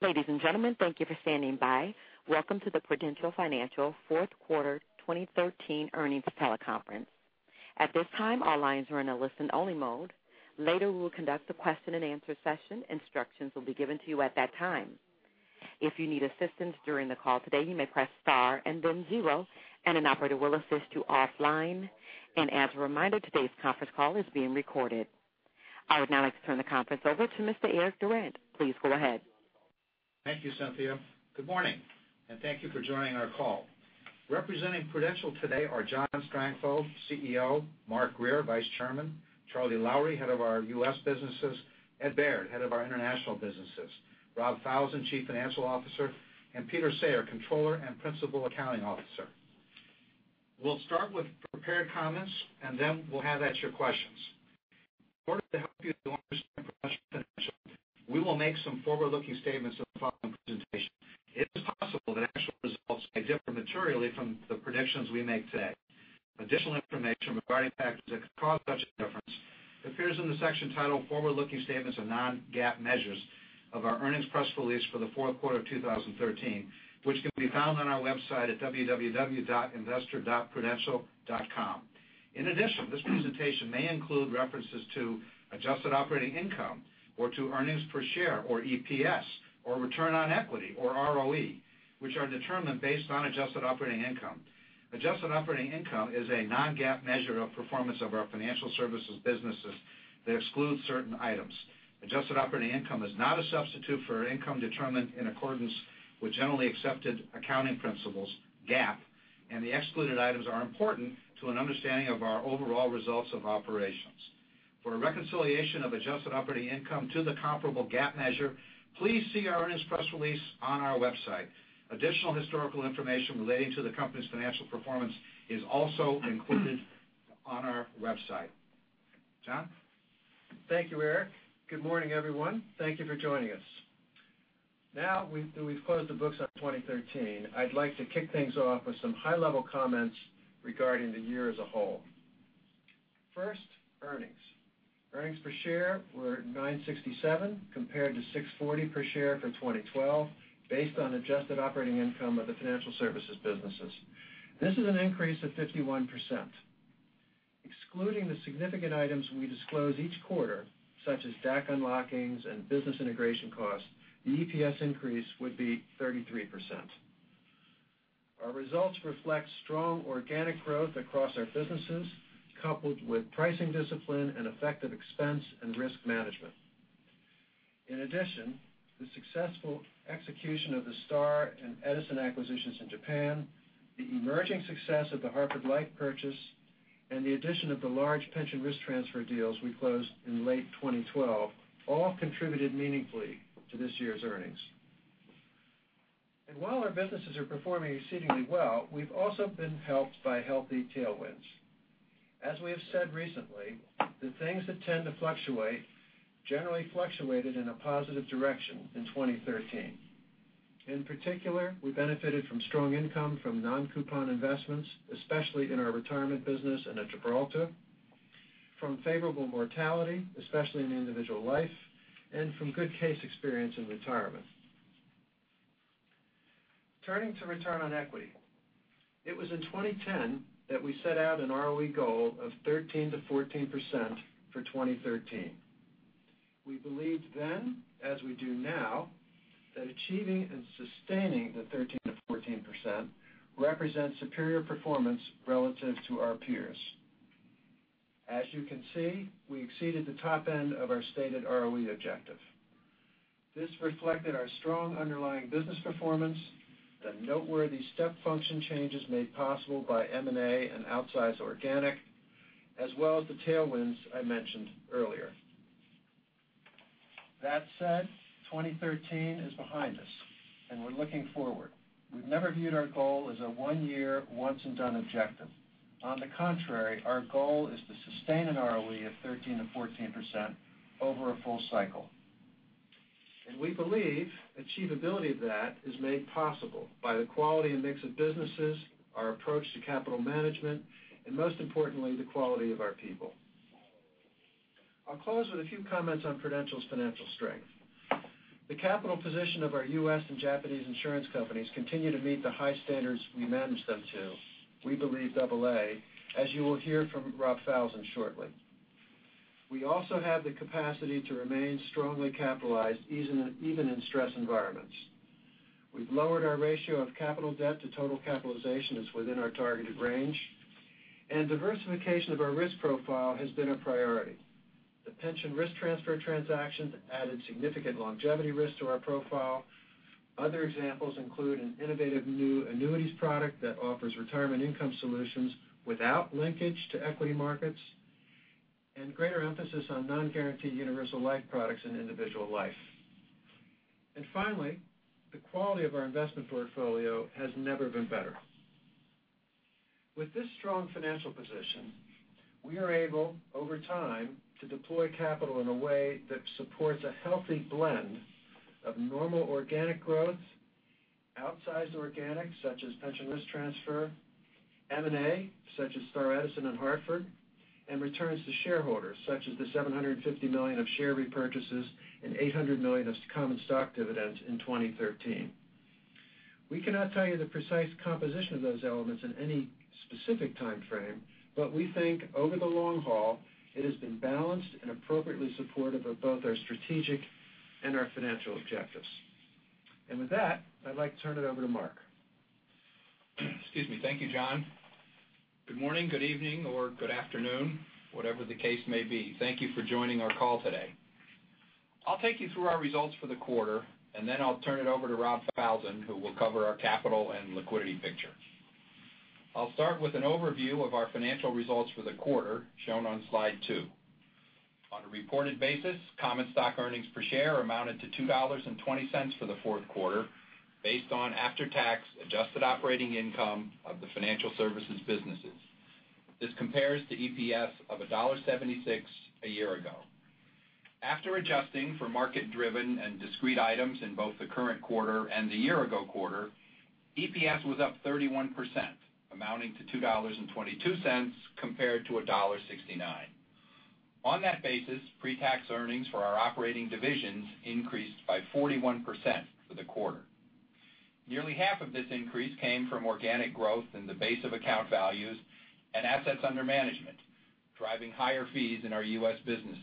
Ladies and gentlemen, thank you for standing by. Welcome to the Prudential Financial fourth quarter 2013 earnings teleconference. At this time, all lines are in a listen-only mode. Later, we will conduct a question and answer session. Instructions will be given to you at that time. If you need assistance during the call today, you may press star and then zero, and an operator will assist you offline. As a reminder, today's conference call is being recorded. I would now like to turn the conference over to Mr. Eric Durant. Please go ahead. Thank you, Cynthia. Good morning, and thank you for joining our call. Representing Prudential today are John Strangfeld, CEO, Mark Grier, Vice Chairman, Charles Lowrey, head of our U.S. Businesses, Ed Baird, head of our International Businesses, Rob Falzon, Chief Financial Officer, and Peter Sayre, Controller and Principal Accounting Officer. We'll start with prepared comments, then we'll have at your questions. In order to help you to understand Prudential Financial, we will make some forward-looking statements in the following presentation. It is possible that actual results may differ materially from the predictions we make today. Additional information regarding factors that could cause such a difference appears in the section titled Forward-Looking Statements of Non-GAAP Measures of our earnings press release for the fourth quarter of 2013, which can be found on our website at www.investor.prudential.com. In addition, this presentation may include references to Adjusted Operating Income or to Earnings Per Share or EPS, or Return On Equity or ROE, which are determined based on Adjusted Operating Income. Adjusted Operating Income is a non-GAAP measure of performance of our financial services businesses that excludes certain items. Adjusted Operating Income is not a substitute for income determined in accordance with Generally Accepted Accounting Principles, GAAP. The excluded items are important to an understanding of our overall results of operations. For a reconciliation of Adjusted Operating Income to the comparable GAAP measure, please see our earnings press release on our website. Additional historical information relating to the company's financial performance is also included on our website. John? Thank you, Eric. Good morning, everyone. Thank you for joining us. Now that we've closed the books on 2013, I'd like to kick things off with some high-level comments regarding the year as a whole. First, earnings. Earnings Per Share were $9.67 compared to $6.40 per share for 2012, based on Adjusted Operating Income of the financial services businesses. This is an increase of 51%. Excluding the significant items we disclose each quarter, such as DAC unlockings and business integration costs, the EPS increase would be 33%. Our results reflect strong organic growth across our businesses, coupled with pricing discipline and effective expense and risk management. In addition, the successful execution of the Star and Edison acquisitions in Japan, the emerging success of the Hartford Life purchase, and the addition of the large pension risk transfer deals we closed in late 2012 all contributed meaningfully to this year's earnings. While our businesses are performing exceedingly well, we've also been helped by healthy tailwinds. As we have said recently, the things that tend to fluctuate generally fluctuated in a positive direction in 2013. In particular, we benefited from strong income from non-coupon investments, especially in our retirement business and at Gibraltar, from favorable mortality, especially in individual life, and from good case experience in retirement. Turning to return on equity. It was in 2010 that we set out an ROE goal of 13%-14% for 2013. We believed then, as we do now, that achieving and sustaining the 13%-14% represents superior performance relative to our peers. As you can see, we exceeded the top end of our stated ROE objective. This reflected our strong underlying business performance, the noteworthy step function changes made possible by M&A and outsized organic, as well as the tailwinds I mentioned earlier. That said, 2013 is behind us and we're looking forward. We've never viewed our goal as a one-year once and done objective. On the contrary, our goal is to sustain an ROE of 13%-14% over a full cycle. We believe achievability of that is made possible by the quality and mix of businesses, our approach to capital management, and most importantly, the quality of our people. I'll close with a few comments on Prudential's financial strength. The capital position of our U.S. and Japanese insurance companies continue to meet the high standards we manage them to. We believe double A, as you will hear from Rob Falzon shortly. We also have the capacity to remain strongly capitalized even in stress environments. We've lowered our ratio of capital debt to total capitalization is within our targeted range, and diversification of our risk profile has been a priority. The pension risk transfer transactions added significant longevity risk to our profile. Other examples include an innovative new annuities product that offers retirement income solutions without linkage to equity markets, and greater emphasis on non-guaranteed universal life products and individual life. Finally, the quality of our investment portfolio has never been better. With this strong financial position, we are able, over time, to deploy capital in a way that supports a healthy blend of normal organic growth Outsized organic, such as pension risk transfer, M&A, such as Star Edison and Hartford, and returns to shareholders, such as the $750 million of share repurchases and $800 million of common stock dividends in 2013. We cannot tell you the precise composition of those elements in any specific time frame, but we think over the long haul, it has been balanced and appropriately supportive of both our strategic and our financial objectives. With that, I'd like to turn it over to Mark. Excuse me. Thank you, John. Good morning, good evening, or good afternoon, whatever the case may be. Thank you for joining our call today. I'll take you through our results for the quarter, and then I'll turn it over to Rob Falzon, who will cover our capital and liquidity picture. I'll start with an overview of our financial results for the quarter, shown on slide two. On a reported basis, common stock earnings per share amounted to $2.20 for the fourth quarter, based on after-tax adjusted operating income of the financial services businesses. This compares to EPS of $1.76 a year ago. After adjusting for market-driven and discrete items in both the current quarter and the year-ago quarter, EPS was up 31%, amounting to $2.22 compared to $1.69. On that basis, pre-tax earnings for our operating divisions increased by 41% for the quarter. Nearly half of this increase came from organic growth in the base of account values and assets under management, driving higher fees in our U.S. businesses.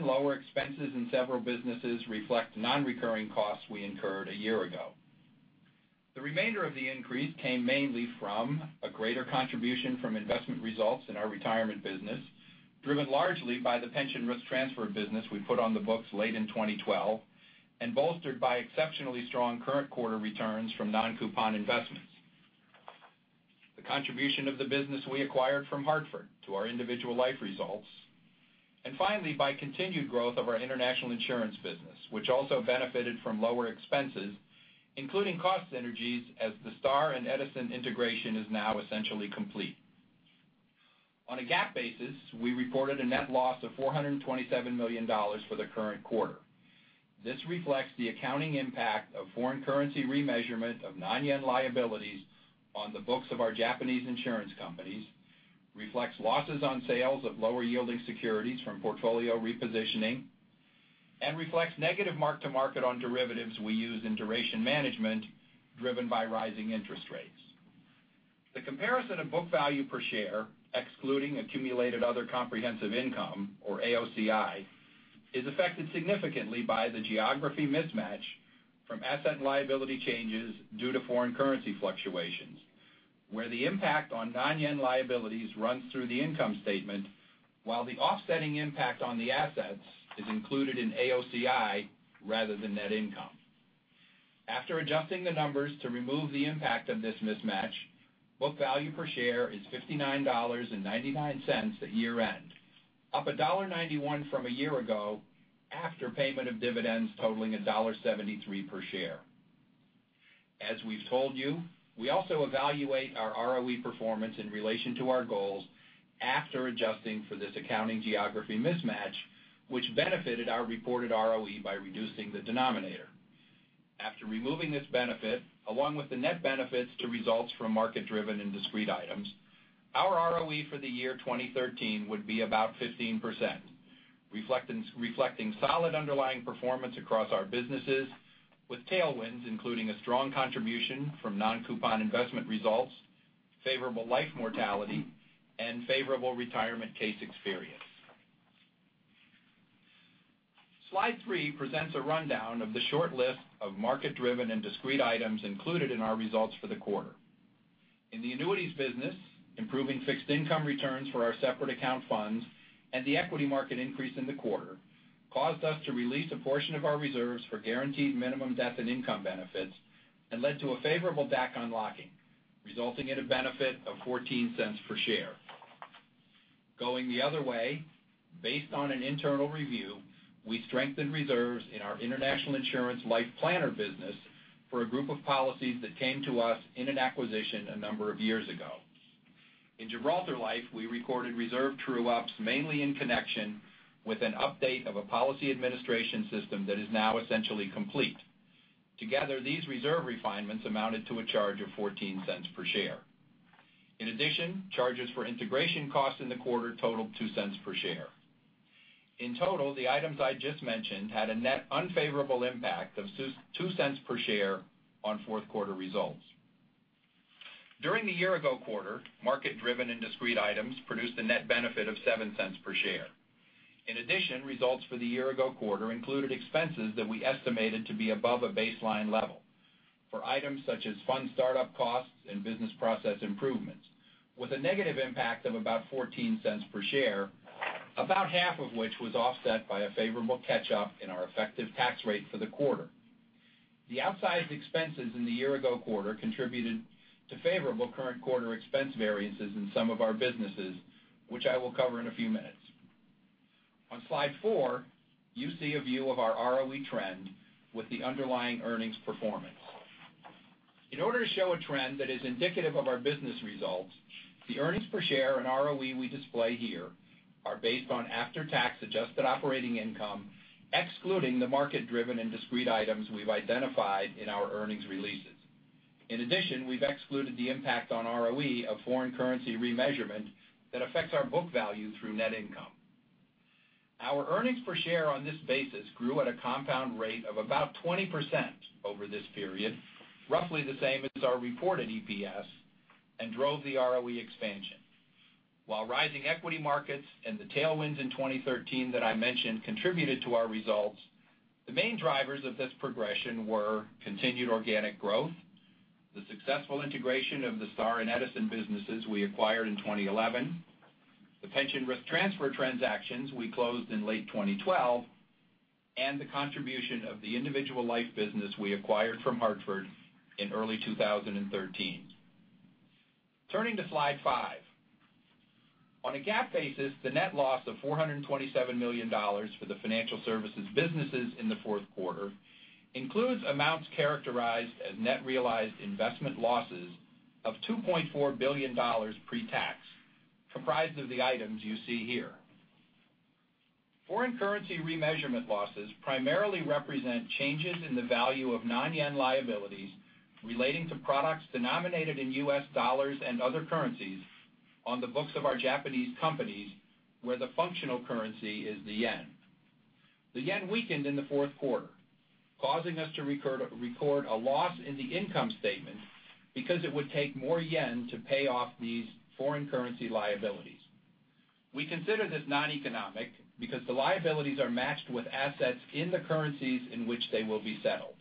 Lower expenses in several businesses reflect non-recurring costs we incurred a year ago. The remainder of the increase came mainly from a greater contribution from investment results in our retirement business, driven largely by the pension risk transfer business we put on the books late in 2012 and bolstered by exceptionally strong current quarter returns from non-coupon investments. The contribution of the business we acquired from Hartford to our individual life results, and finally, by continued growth of our International Businesses, which also benefited from lower expenses, including cost synergies as the Star and Edison integration is now essentially complete. On a GAAP basis, we reported a net loss of $427 million for the current quarter. This reflects the accounting impact of foreign currency remeasurement of non-yen liabilities on the books of our Japanese insurance companies, reflects losses on sales of lower-yielding securities from portfolio repositioning, and reflects negative mark-to-market on derivatives we use in duration management, driven by rising interest rates. The comparison of book value per share, excluding accumulated other comprehensive income, or AOCI, is affected significantly by the geography mismatch from asset and liability changes due to foreign currency fluctuations, where the impact on non-yen liabilities runs through the income statement, while the offsetting impact on the assets is included in AOCI rather than net income. After adjusting the numbers to remove the impact of this mismatch, book value per share is $59.99 at year-end, up $1.91 from a year ago after payment of dividends totaling $1.73 per share. As we've told you, we also evaluate our ROE performance in relation to our goals after adjusting for this accounting geography mismatch, which benefited our reported ROE by reducing the denominator. After removing this benefit, along with the net benefits to results from market-driven and discrete items, our ROE for the year 2013 would be about 15%, reflecting solid underlying performance across our businesses, with tailwinds including a strong contribution from non-coupon investment results, favorable life mortality, and favorable retirement case experience. Slide three presents a rundown of the short list of market-driven and discrete items included in our results for the quarter. In the annuities business, improving fixed income returns for our separate account funds and the equity market increase in the quarter caused us to release a portion of our reserves for guaranteed minimum death and income benefits and led to a favorable DAC unlocking, resulting in a benefit of $0.14 per share. Going the other way, based on an internal review, we strengthened reserves in our International Insurance Life Planner business for a group of policies that came to us in an acquisition a number of years ago. In Gibraltar Life, we recorded reserve true-ups mainly in connection with an update of a policy administration system that is now essentially complete. Together, these reserve refinements amounted to a charge of $0.14 per share. In addition, charges for integration costs in the quarter totaled $0.02 per share. Total, the items I just mentioned had a net unfavorable impact of $0.02 per share on fourth quarter results. During the year-ago quarter, market-driven and discrete items produced a net benefit of $0.07 per share. Results for the year-ago quarter included expenses that we estimated to be above a baseline level for items such as fund startup costs and business process improvements, with a negative impact of about $0.14 per share, about half of which was offset by a favorable catch-up in our effective tax rate for the quarter. The outsized expenses in the year-ago quarter contributed to favorable current quarter expense variances in some of our businesses, which I will cover in a few minutes. On slide four, you see a view of our ROE trend with the underlying earnings performance. In order to show a trend that is indicative of our business results, the earnings per share and ROE we display here are based on after-tax adjusted operating income, excluding the market-driven and discrete items we've identified in our earnings releases. We've excluded the impact on ROE of foreign currency remeasurement that affects our book value through net income. Our earnings per share on this basis grew at a compound rate of about 20% over this period, roughly the same as our reported EPS, and drove the ROE expansion. While rising equity markets and the tailwinds in 2013 that I mentioned contributed to our results, the main drivers of this progression were continued organic growth, the successful integration of the Star and Edison businesses we acquired in 2011, the pension risk transfer transactions we closed in late 2012, and the contribution of the individual life business we acquired from Hartford in early 2013. Turning to slide five. On a GAAP basis, the net loss of $427 million for the financial services businesses in the fourth quarter includes amounts characterized as net realized investment losses of $2.4 billion pre-tax, comprised of the items you see here. Foreign currency remeasurement losses primarily represent changes in the value of non-yen liabilities relating to products denominated in US dollars and other currencies on the books of our Japanese companies, where the functional currency is the yen. The JPY weakened in the fourth quarter, causing us to record a loss in the income statement because it would take more JPY to pay off these foreign currency liabilities. We consider this non-economic because the liabilities are matched with assets in the currencies in which they will be settled.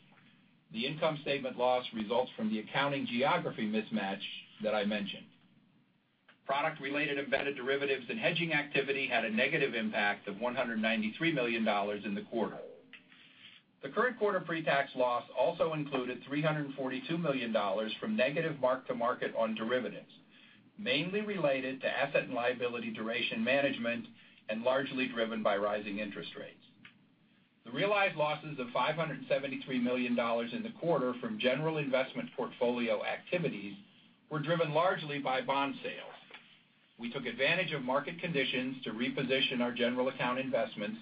The income statement loss results from the accounting geography mismatch that I mentioned. Product-related embedded derivatives and hedging activity had a negative impact of $193 million in the quarter. The current quarter pre-tax loss also included $342 million from negative mark-to-market on derivatives, mainly related to asset and liability duration management and largely driven by rising interest rates. The realized losses of $573 million in the quarter from general investment portfolio activities were driven largely by bond sales. We took advantage of market conditions to reposition our general account investments,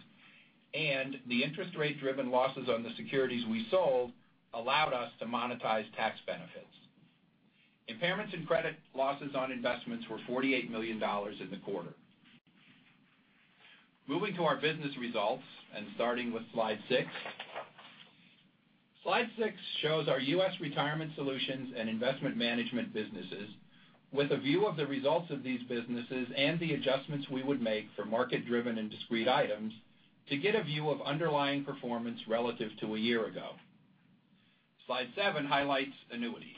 the interest rate-driven losses on the securities we sold allowed us to monetize tax benefits. Impairments and credit losses on investments were $48 million in the quarter. Moving to our business results and starting with slide six. Slide six shows our U.S. retirement solutions and investment management businesses with a view of the results of these businesses and the adjustments we would make for market-driven and discrete items to get a view of underlying performance relative to a year ago. Slide seven highlights annuities.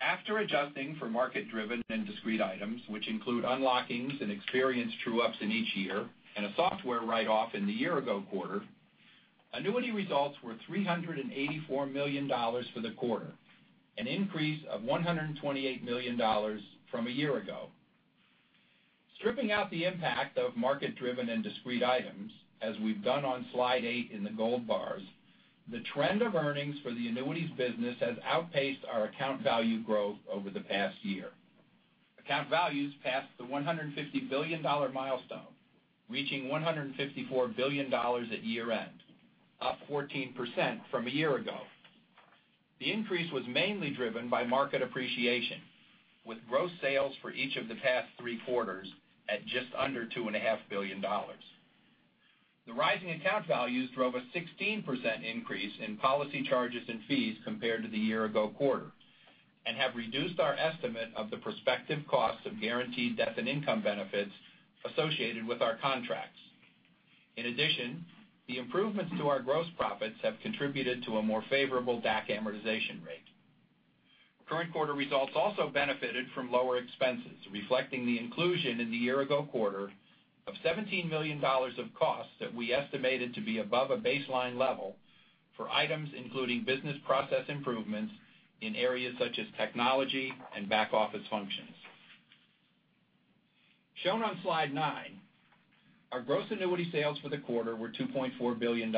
After adjusting for market-driven and discrete items, which include unlockings and experience true-ups in each year, and a software write-off in the year-ago quarter, annuity results were $384 million for the quarter, an increase of $128 million from a year ago. Stripping out the impact of market-driven and discrete items, as we've done on slide eight in the gold bars, the trend of earnings for the annuities business has outpaced our account value growth over the past year. Account values passed the $150 billion milestone, reaching $154 billion at year-end, up 14% from a year ago. The increase was mainly driven by market appreciation, with gross sales for each of the past three quarters at just under $2.5 billion. The rising account values drove a 16% increase in policy charges and fees compared to the year-ago quarter and have reduced our estimate of the prospective costs of guaranteed death and income benefits associated with our contracts. In addition, the improvements to our gross profits have contributed to a more favorable DAC amortization rate. Current quarter results also benefited from lower expenses, reflecting the inclusion in the year-ago quarter of $17 million of costs that we estimated to be above a baseline level for items including business process improvements in areas such as technology and back-office functions. Shown on slide nine, our gross annuity sales for the quarter were $2.4 billion,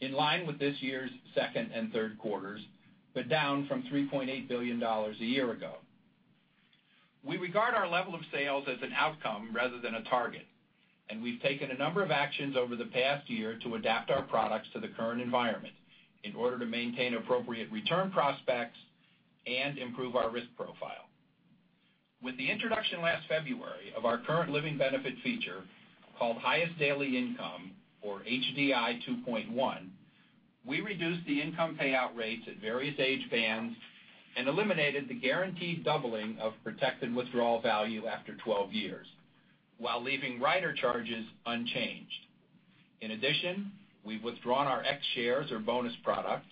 in line with this year's second and third quarters, but down from $3.8 billion a year ago. We regard our level of sales as an outcome rather than a target, we've taken a number of actions over the past year to adapt our products to the current environment in order to maintain appropriate return prospects and improve our risk profile. With the introduction last February of our current living benefit feature called Highest Daily Income or HDI 2.1, we reduced the income payout rates at various age bands and eliminated the guaranteed doubling of protected withdrawal value after 12 years while leaving rider charges unchanged. In addition, we've withdrawn our X-shares or bonus product.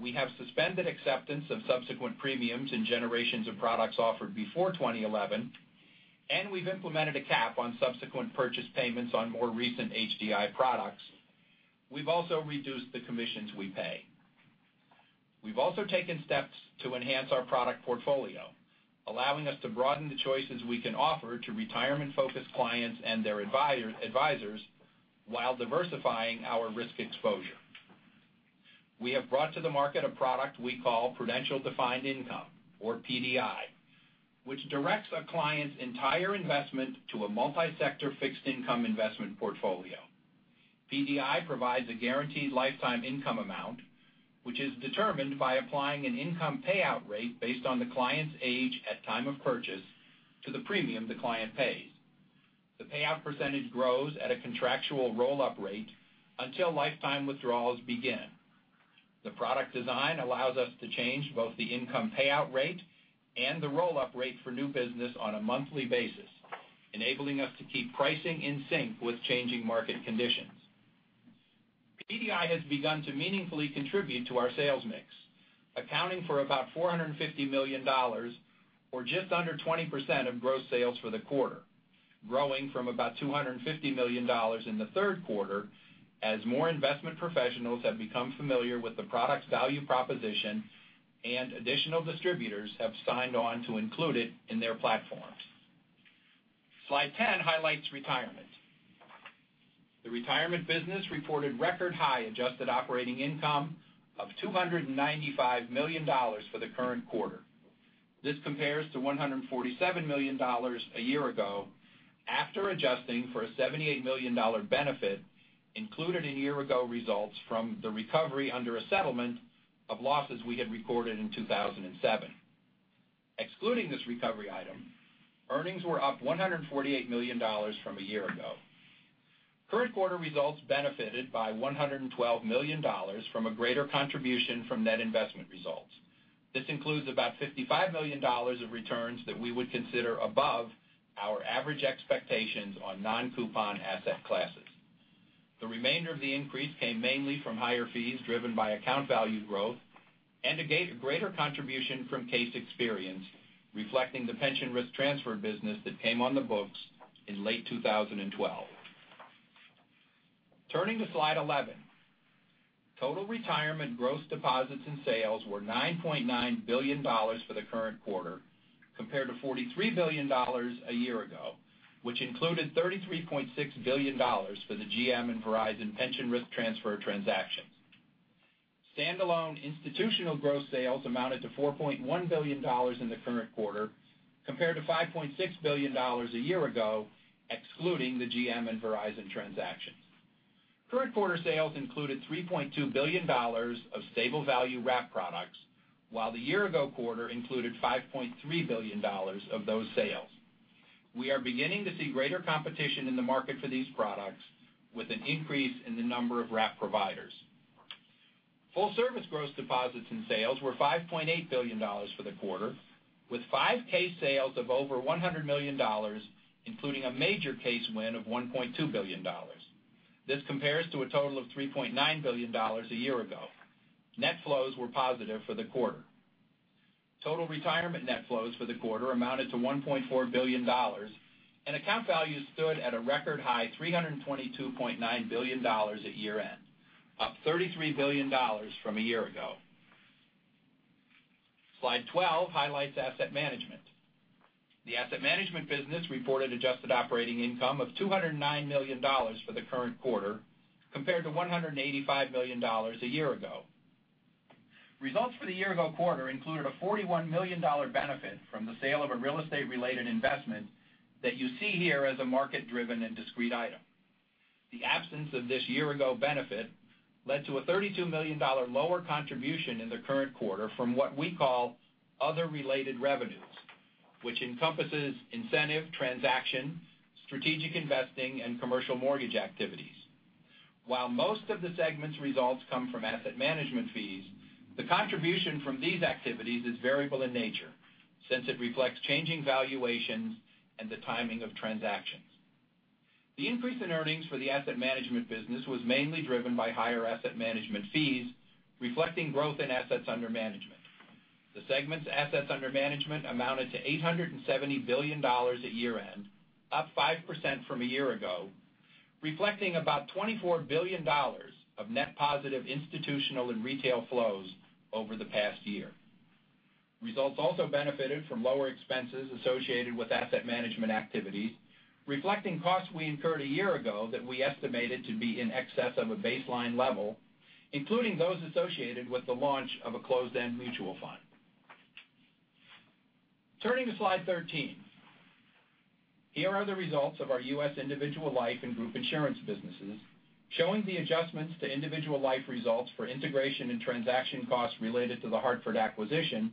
We have suspended acceptance of subsequent premiums in generations of products offered before 2011, and we've implemented a cap on subsequent purchase payments on more recent HDI products. We've also reduced the commissions we pay. We've also taken steps to enhance our product portfolio, allowing us to broaden the choices we can offer to retirement-focused clients and their advisors while diversifying our risk exposure. We have brought to the market a product we call Prudential Defined Income, or PDI, which directs a client's entire investment to a multi-sector fixed income investment portfolio. PDI provides a guaranteed lifetime income amount, which is determined by applying an income payout rate based on the client's age at time of purchase to the premium the client pays. The payout percentage grows at a contractual roll-up rate until lifetime withdrawals begin. The product design allows us to change both the income payout rate and the roll-up rate for new business on a monthly basis, enabling us to keep pricing in sync with changing market conditions. PDI has begun to meaningfully contribute to our sales mix, accounting for about $450 million, or just under 20% of gross sales for the quarter, growing from about $250 million in the third quarter, as more investment professionals have become familiar with the product's value proposition and additional distributors have signed on to include it in their platforms. Slide 10 highlights Retirement. The Retirement business reported record high adjusted operating income of $295 million for the current quarter. This compares to $147 million a year ago after adjusting for a $78 million benefit included in year-ago results from the recovery under a settlement of losses we had recorded in 2007. Excluding this recovery item, earnings were up $148 million from a year ago. Current quarter results benefited by $112 million from a greater contribution from net investment results. This includes about $55 million of returns that we would consider above our average expectations on non-coupon asset classes. The remainder of the increase came mainly from higher fees driven by account value growth and a greater contribution from Case Experience, reflecting the pension risk transfer business that came on the books in late 2012. Turning to slide 11. Total Retirement gross deposits and sales were $9.9 billion for the current quarter, compared to $43 billion a year ago, which included $33.6 billion for the GM and Verizon pension risk transfer transactions. Standalone institutional gross sales amounted to $4.1 billion in the current quarter, compared to $5.6 billion a year ago, excluding the GM and Verizon transaction. Current quarter sales included $3.2 billion of stable value wrap products, while the year-ago quarter included $5.3 billion of those sales. We are beginning to see greater competition in the market for these products with an increase in the number of wrap providers. Full service gross deposits and sales were $5.8 billion for the quarter, with five case sales of over $100 million, including a major case win of $1.2 billion. This compares to a total of $3.9 billion a year ago. Net flows were positive for the quarter. Total Retirement net flows for the quarter amounted to $1.4 billion, and account values stood at a record high $322.9 billion at year-end, up $33 billion from a year ago. Slide 12 highlights Asset Management. The Asset Management business reported adjusted operating income of $209 million for the current quarter, compared to $185 million a year ago. Results for the year-ago quarter included a $41 million benefit from the sale of a real estate-related investment that you see here as a market-driven and discrete item. The absence of this year-ago benefit led to a $32 million lower contribution in the current quarter from what we call other related revenues, which encompasses incentive transaction, strategic investing, and commercial mortgage activities. While most of the segment's results come from asset management fees, the contribution from these activities is variable in nature, since it reflects changing valuations and the timing of transactions. The increase in earnings for the Asset Management business was mainly driven by higher asset management fees, reflecting growth in assets under management. The segment's assets under management amounted to $870 billion at year-end, up 5% from a year ago, reflecting about $24 billion of net positive institutional and retail flows over the past year. Results also benefited from lower expenses associated with asset management activities, reflecting costs we incurred a year ago that we estimated to be in excess of a baseline level, including those associated with the launch of a closed-end mutual fund. Turning to slide 13. Here are the results of our U.S. Individual Life and Group Insurance businesses, showing the adjustments to Individual Life results for integration and transaction costs related to the Hartford acquisition,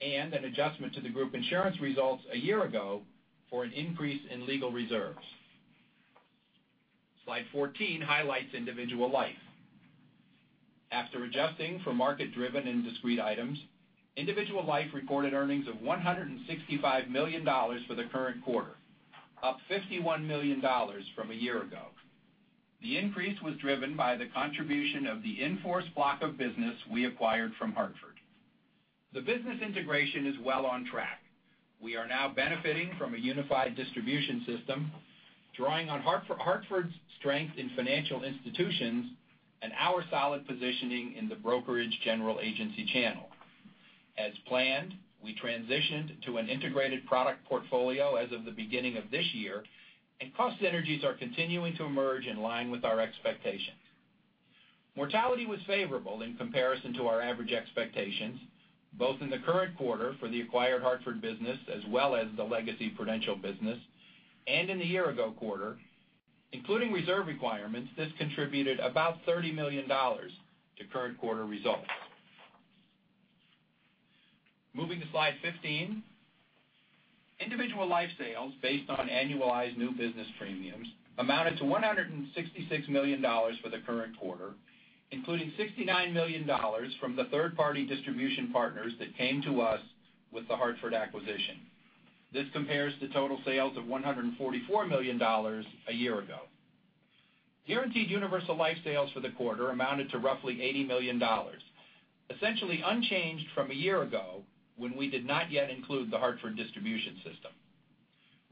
and an adjustment to the Group Insurance results a year ago for an increase in legal reserves. Slide 14 highlights Individual Life. After adjusting for market-driven and discrete items, Individual Life recorded earnings of $165 million for the current quarter, up $51 million from a year ago. The increase was driven by the contribution of the in-force block of business we acquired from Hartford. The business integration is well on track. We are now benefiting from a unified distribution system, drawing on Hartford's strength in financial institutions and our solid positioning in the brokerage general agency channel. As planned, we transitioned to an integrated product portfolio as of the beginning of this year, and cost synergies are continuing to emerge in line with our expectations. Mortality was favorable in comparison to our average expectations, both in the current quarter for the acquired Hartford business as well as the legacy Prudential business, and in the year-ago quarter. Including reserve requirements, this contributed about $30 million to current quarter results. Moving to slide 15. Individual Life sales based on annualized new business premiums amounted to $166 million for the current quarter, including $69 million from the third-party distribution partners that came to us with the Hartford acquisition. This compares to total sales of $144 million a year ago. Guaranteed universal life sales for the quarter amounted to roughly $80 million, essentially unchanged from a year ago when we did not yet include the Hartford distribution system.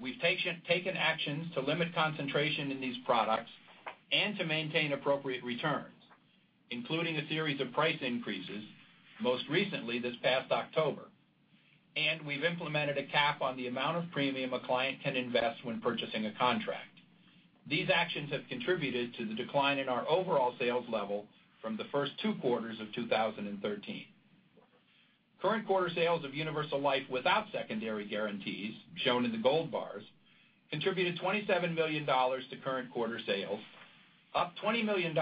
We've taken actions to limit concentration in these products and to maintain appropriate returns, including a series of price increases, most recently this past October. We've implemented a cap on the amount of premium a client can invest when purchasing a contract. These actions have contributed to the decline in our overall sales level from the first two quarters of 2013. Current quarter sales of universal life without secondary guarantees, shown in the gold bars, contributed $27 million to current quarter sales, up $20 million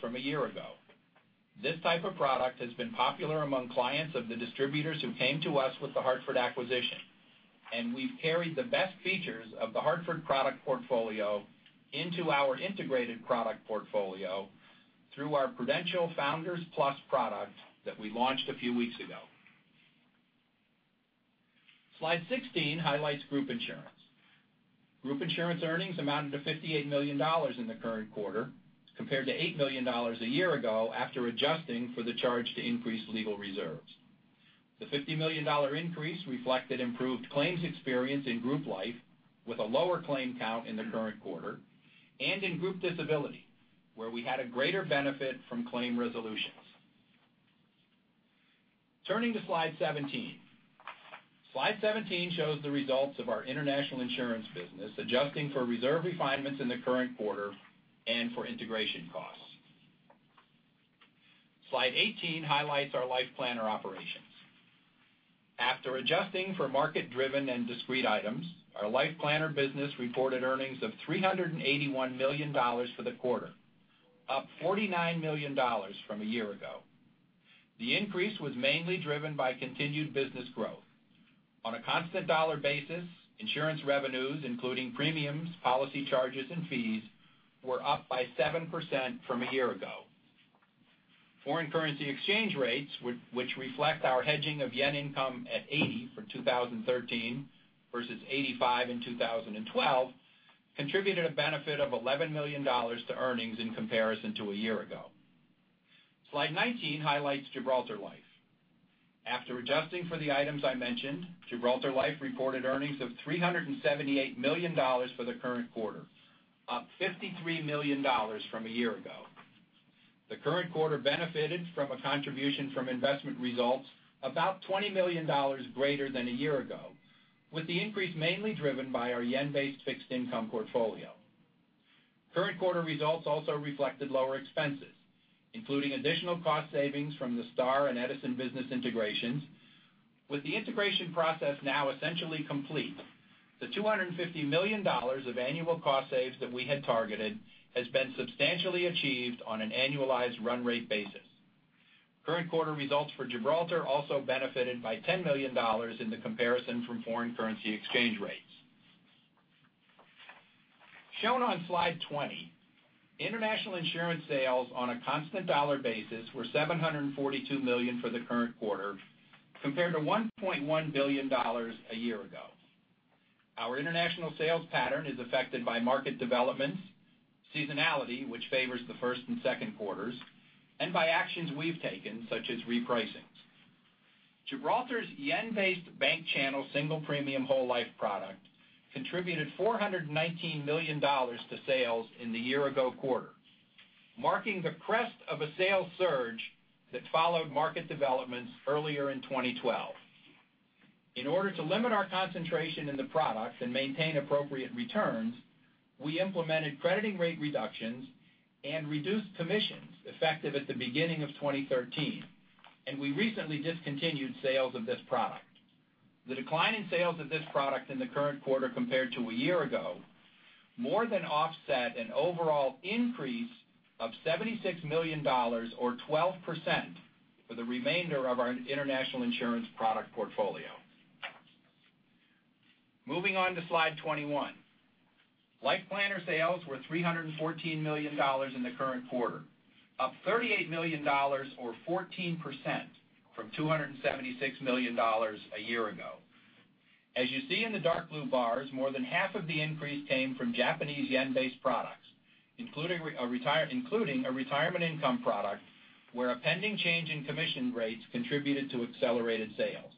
from a year ago. This type of product has been popular among clients of the distributors who came to us with The Hartford acquisition. We've carried the best features of The Hartford product portfolio into our integrated product portfolio through our PruLife Founders Plus product that we launched a few weeks ago. Slide 16 highlights group insurance. Group insurance earnings amounted to $58 million in the current quarter, compared to $8 million a year ago after adjusting for the charge to increase legal reserves. The $50 million increase reflected improved claims experience in group life, with a lower claim count in the current quarter, and in group disability, where we had a greater benefit from claim resolutions. Turning to slide 17. Slide 17 shows the results of our international insurance business, adjusting for reserve refinements in the current quarter and for integration costs. Slide 18 highlights our LifePlanner operations. After adjusting for market-driven and discrete items, our LifePlanner business reported earnings of $381 million for the quarter, up $49 million from a year ago. The increase was mainly driven by continued business growth. On a constant dollar basis, insurance revenues, including premiums, policy charges, and fees, were up by 7% from a year ago. Foreign currency exchange rates, which reflect our hedging of JPY income at 80 for 2013 versus 85 in 2012, contributed a benefit of $11 million to earnings in comparison to a year ago. Slide 19 highlights Gibraltar Life. After adjusting for the items I mentioned, Gibraltar Life reported earnings of $378 million for the current quarter, up $53 million from a year ago. The current quarter benefited from a contribution from investment results about $20 million greater than a year ago, with the increase mainly driven by our JPY-based fixed income portfolio. Current quarter results also reflected lower expenses, including additional cost savings from the Star and Edison business integrations. With the integration process now essentially complete, the $250 million of annual cost saves that we had targeted has been substantially achieved on an annualized run rate basis. Current quarter results for Gibraltar also benefited by $10 million in the comparison from foreign currency exchange rates. Shown on slide 20, international insurance sales on a constant dollar basis were $742 million for the current quarter, compared to $1.1 billion a year ago. Our international sales pattern is affected by market developments, seasonality, which favors the first and second quarters, and by actions we've taken, such as repricings. Gibraltar's JPY-based bank channel single premium whole life product contributed $419 million to sales in the year-ago quarter, marking the crest of a sales surge that followed market developments earlier in 2012. In order to limit our concentration in the product and maintain appropriate returns, we implemented crediting rate reductions and reduced commissions effective at the beginning of 2013. We recently discontinued sales of this product. The decline in sales of this product in the current quarter compared to a year ago more than offset an overall increase of $76 million, or 12%, for the remainder of our international insurance product portfolio. Moving on to slide 21. LifePlanner sales were $314 million in the current quarter, up $38 million or 14% from $276 million a year ago. As you see in the dark blue bars, more than half of the increase came from Japanese JPY-based products, including a retirement income product where a pending change in commission rates contributed to accelerated sales.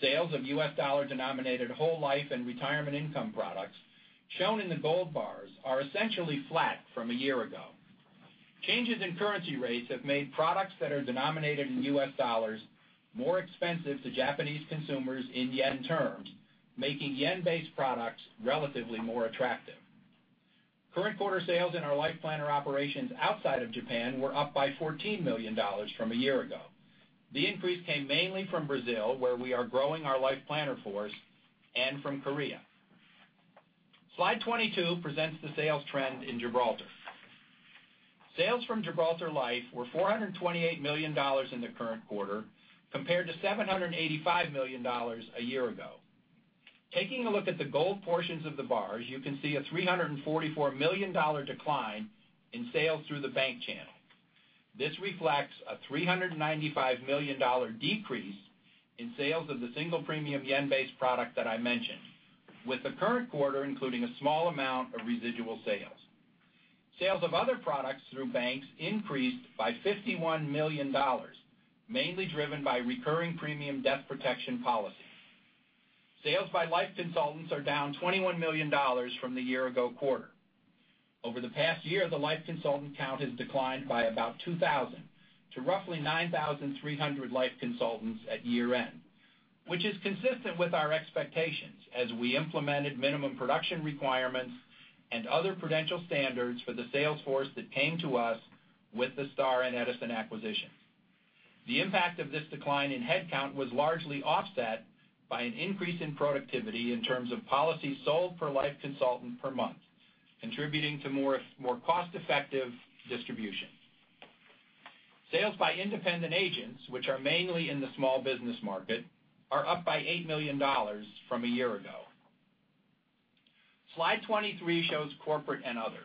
Sales of U.S. dollar-denominated whole life and retirement income products, shown in the gold bars, are essentially flat from a year ago. Changes in currency rates have made products that are denominated in U.S. dollars more expensive to Japanese consumers in JPY terms, making JPY-based products relatively more attractive. Current quarter sales in our LifePlanner operations outside of Japan were up by $14 million from a year ago. The increase came mainly from Brazil, where we are growing our LifePlanner force, and from Korea. Slide 22 presents the sales trend in Gibraltar. Sales from Gibraltar Life were $428 million in the current quarter, compared to $785 million a year ago. Taking a look at the gold portions of the bars, you can see a $344 million decline in sales through the bank channel. This reflects a $395 million decrease in sales of the single premium JPY-based product that I mentioned, with the current quarter including a small amount of residual sales. Sales of other products through banks increased by $51 million, mainly driven by recurring premium death protection policies. Sales by life consultants are down $21 million from the year ago quarter. Over the past year, the life consultant count has declined by about 2,000 to roughly 9,300 life consultants at year-end, which is consistent with our expectations as we implemented minimum production requirements and other Prudential standards for the sales force that came to us with the Star and Edison acquisitions. The impact of this decline in headcount was largely offset by an increase in productivity in terms of policies sold per life consultant per month, contributing to more cost-effective distribution. Sales by independent agents, which are mainly in the small business market, are up by $8 million from a year ago. Slide 23 shows corporate and other.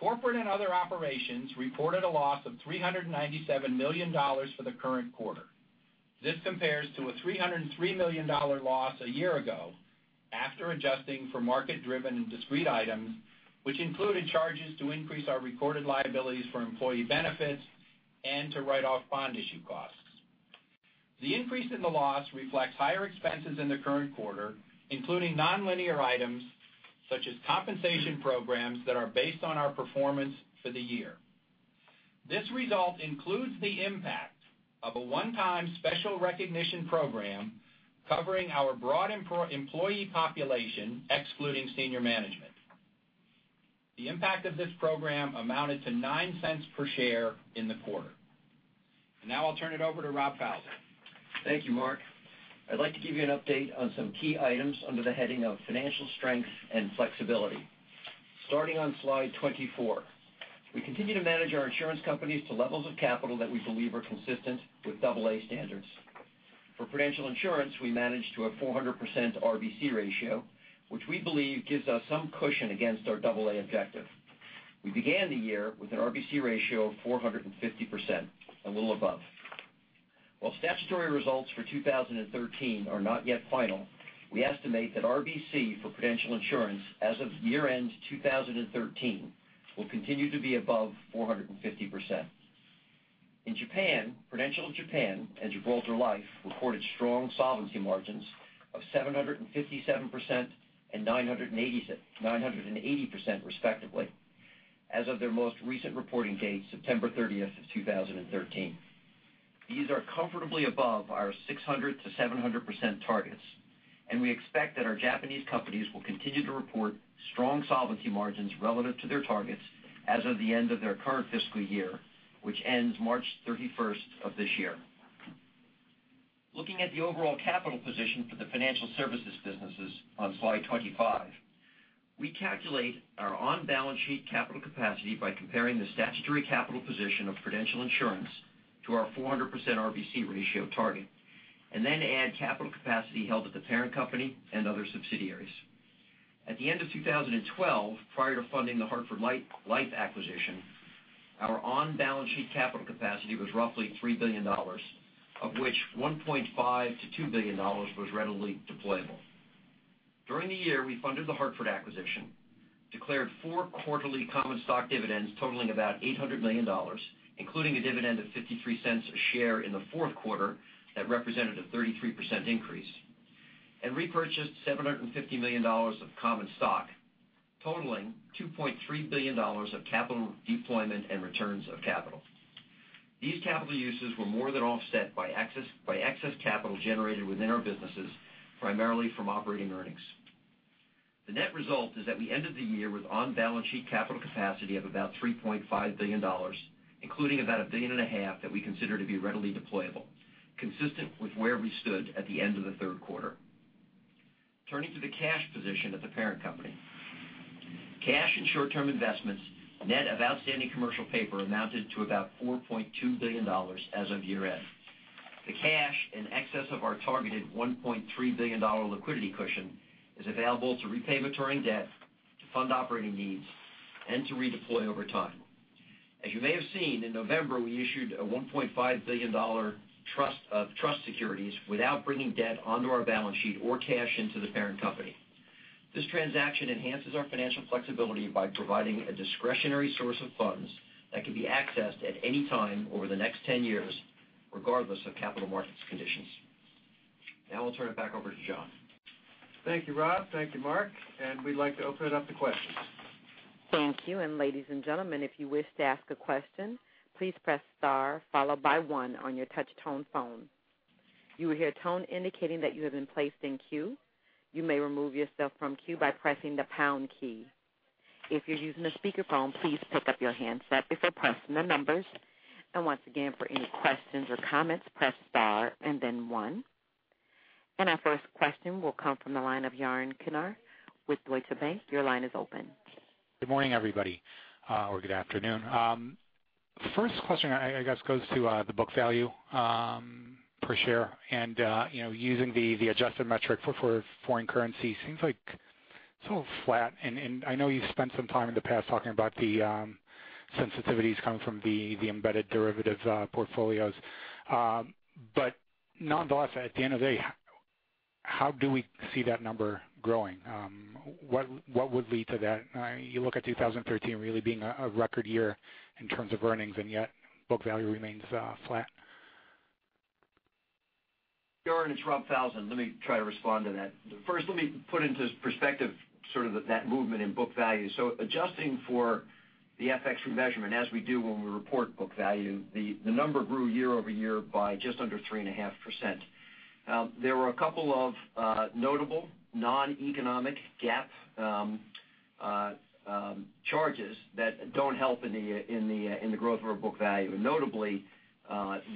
Corporate and other operations reported a loss of $397 million for the current quarter. This compares to a $303 million loss a year ago after adjusting for market-driven and discrete items, which included charges to increase our recorded liabilities for employee benefits and to write off bond issue costs. The increase in the loss reflects higher expenses in the current quarter, including nonlinear items such as compensation programs that are based on our performance for the year. This result includes the impact of a one-time special recognition program covering our broad employee population, excluding senior management. The impact of this program amounted to $0.09 per share in the quarter. Now I'll turn it over to Rob Falzon. Thank you, Mark. I'd like to give you an update on some key items under the heading of financial strength and flexibility. Starting on slide 24, we continue to manage our insurance companies to levels of capital that we believe are consistent with AA standards. For Prudential Insurance, we manage to a 400% RBC ratio, which we believe gives us some cushion against our AA objective. We began the year with an RBC ratio of 450%, a little above. While statutory results for 2013 are not yet final, we estimate that RBC for Prudential Insurance as of year-end 2013 will continue to be above 450%. In Japan, Prudential Japan and Gibraltar Life reported strong solvency margins of 757% and 980% respectively as of their most recent reporting date, September 30th, 2013. These are comfortably above our 600%-700% targets, and we expect that our Japanese companies will continue to report strong solvency margins relative to their targets as of the end of their current fiscal year, which ends March 31st of this year. Looking at the overall capital position for the financial services businesses on slide 25, we calculate our on-balance sheet capital capacity by comparing the statutory capital position of Prudential Insurance to our 400% RBC ratio target, and then add capital capacity held at the parent company and other subsidiaries. At the end of 2012, prior to funding the Hartford acquisition, our on-balance sheet capital capacity was roughly $3 billion, of which $1.5 billion-$2 billion was readily deployable. During the year, we funded the Hartford acquisition, declared four quarterly common stock dividends totaling about $800 million, including a dividend of $0.53 a share in the fourth quarter that represented a 33% increase, and repurchased $750 million of common stock, totaling $2.3 billion of capital deployment and returns of capital. These capital uses were more than offset by excess capital generated within our businesses, primarily from operating earnings. The net result is that we ended the year with on-balance sheet capital capacity of about $3.5 billion, including about a billion and a half that we consider to be readily deployable, consistent with where we stood at the end of the third quarter. Turning to the cash position of the parent company. Cash and short-term investments, net of outstanding commercial paper, amounted to about $4.2 billion as of year-end. The cash in excess of our targeted $1.3 billion liquidity cushion is available to repay maturing debt, to fund operating needs, and to redeploy over time. As you may have seen, in November, we issued a $1.5 billion of trust securities without bringing debt onto our balance sheet or cash into the parent company. This transaction enhances our financial flexibility by providing a discretionary source of funds that can be accessed at any time over the next 10 years, regardless of capital markets conditions. Now I'll turn it back over to John. Thank you, Rob. Thank you, Mark. We'd like to open it up to questions. Thank you. Ladies and gentlemen, if you wish to ask a question, please press star followed by one on your touch-tone phone. You will hear a tone indicating that you have been placed in queue. You may remove yourself from queue by pressing the pound key. If you're using a speakerphone, please pick up your handset before pressing the numbers. Once again, for any questions or comments, press star and then one. Our first question will come from the line of Yaron Kinar with Deutsche Bank. Your line is open. Good morning, everybody, or good afternoon. First question, I guess, goes to the book value per share. Using the adjusted metric for foreign currency seems like it's a little flat. I know you've spent some time in the past talking about the sensitivities coming from the embedded derivative portfolios. Nonetheless, at the end of the day, how do we see that number growing? What would lead to that? You look at 2013 really being a record year in terms of earnings, and yet book value remains flat. Yaron, it's Rob Falzon. Let me try to respond to that. First, let me put into perspective sort of that movement in book value. Adjusting for the FX remeasurement, as we do when we report book value, the number grew year-over-year by just under 3.5%. There were a couple of notable non-economic GAAP charges that don't help in the growth of our book value. Notably,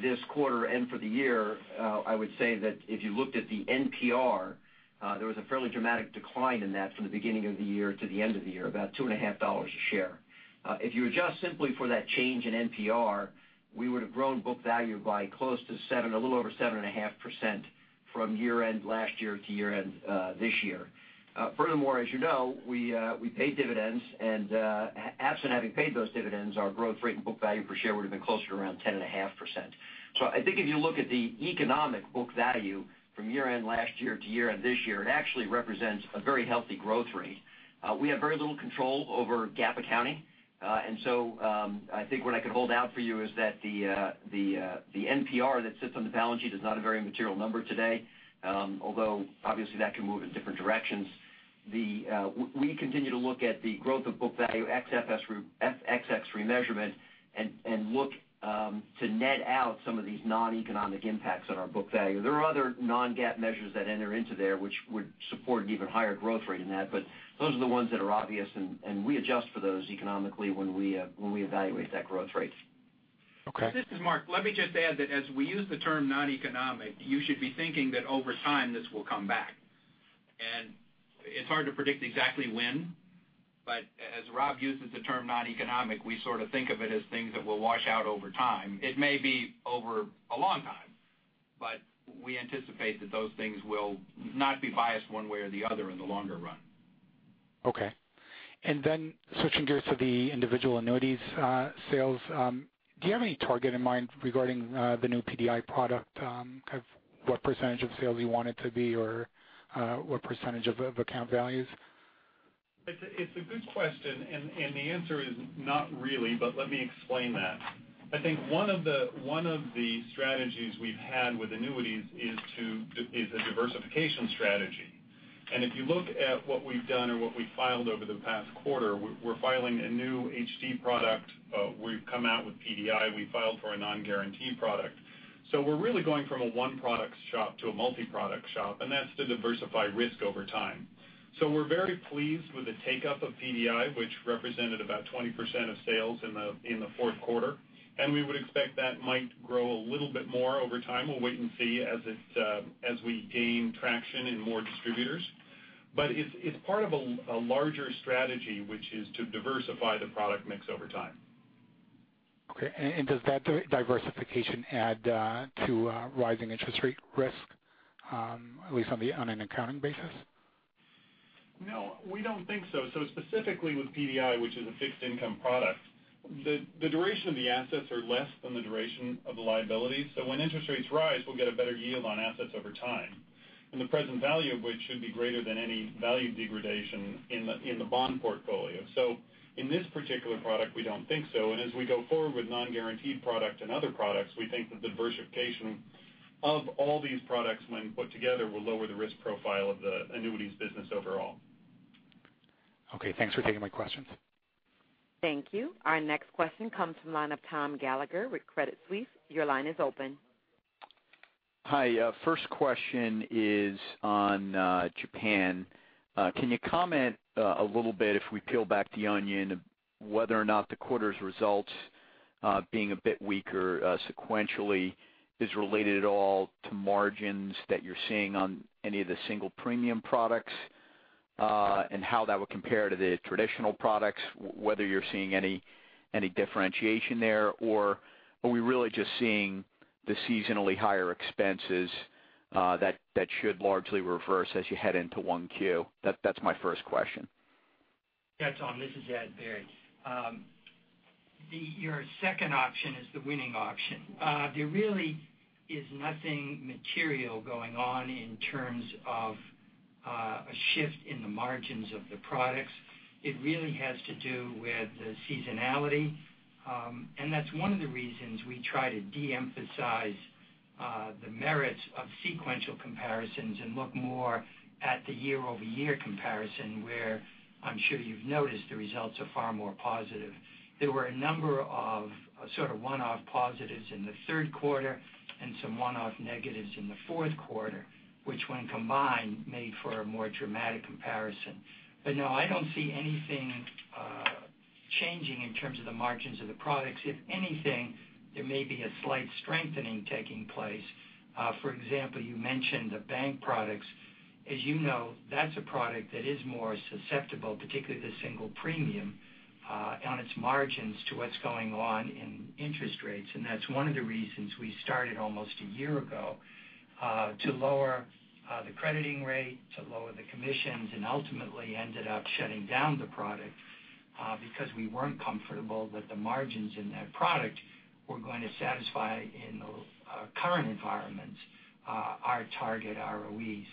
this quarter and for the year, I would say that if you looked at the NPR, there was a fairly dramatic decline in that from the beginning of the year to the end of the year, about $2.50 a share. If you adjust simply for that change in NPR, we would have grown book value by close to seven, a little over 7.5% from year-end last year to year-end this year. As you know, we paid dividends, absent having paid those dividends, our growth rate in book value per share would have been closer to around 10.5%. I think if you look at the economic book value from year-end last year to year-end this year, it actually represents a very healthy growth rate. We have very little control over GAAP accounting. I think what I can hold out for you is that the NPR that sits on the balance sheet is not a very material number today. Although obviously that can move in different directions. We continue to look at the growth of book value ex-FX remeasurement and look to net out some of these non-economic impacts on our book value. There are other non-GAAP measures that enter into there which would support an even higher growth rate than that, those are the ones that are obvious, we adjust for those economically when we evaluate that growth rate. Okay. This is Mark. Let me just add that as we use the term non-economic, you should be thinking that over time this will come back. It's hard to predict exactly when, as Rob uses the term non-economic, we sort of think of it as things that will wash out over time. It may be over a long time, we anticipate that those things will not be biased one way or the other in the longer run. Okay. Switching gears to the individual annuities sales, do you have any target in mind regarding the new PDI product? What percentage of sales you want it to be or what percentage of account values? It's a good question. The answer is not really, but let me explain that. I think one of the strategies we've had with annuities is a diversification strategy. If you look at what we've done or what we filed over the past quarter, we're filing a new HD product. We've come out with PDI. We filed for a non-guarantee product. We're really going from a one-product shop to a multi-product shop, and that's to diversify risk over time. We're very pleased with the take-up of PDI, which represented about 20% of sales in the fourth quarter. We would expect that might grow a little bit more over time. We'll wait and see as we gain traction in more distributors. It's part of a larger strategy, which is to diversify the product mix over time. Okay. Does that diversification add to rising interest rate risk, at least on an accounting basis? No, we don't think so. Specifically with PDI, which is a fixed income product, the duration of the assets are less than the duration of the liability. When interest rates rise, we'll get a better yield on assets over time. The present value of which should be greater than any value degradation in the bond portfolio. In this particular product, we don't think so. As we go forward with non-guaranteed product and other products, we think the diversification of all these products when put together will lower the risk profile of the annuities business overall. Okay. Thanks for taking my questions. Thank you. Our next question comes from the line of Thomas Gallagher with Credit Suisse. Your line is open. Hi. First question is on Japan. Can you comment a little bit, if we peel back the onion, whether or not the quarter's results being a bit weaker sequentially is related at all to margins that you're seeing on any of the single premium products, and how that would compare to the traditional products, whether you're seeing any differentiation there, or are we really just seeing the seasonally higher expenses that should largely reverse as you head into 1Q? That's my first question. That's on. This is Ed Baird. Your second option is the winning option. There really is nothing material going on in terms of a shift in the margins of the products. It really has to do with the seasonality. That's one of the reasons we try to de-emphasize the merits of sequential comparisons and look more at the year-over-year comparison, where I'm sure you've noticed the results are far more positive. There were a number of sort of one-off positives in the third quarter and some one-off negatives in the fourth quarter, which when combined, made for a more dramatic comparison. No, I don't see anything changing in terms of the margins of the products. If anything, there may be a slight strengthening taking place. For example, you mentioned the bank products. As you know, that's a product that is more susceptible, particularly the single premium, on its margins to what's going on in interest rates. That's one of the reasons we started almost a year ago, to lower the crediting rate, to lower the commissions, and ultimately ended up shutting down the product because we weren't comfortable that the margins in that product were going to satisfy in the current environment, our target ROEs.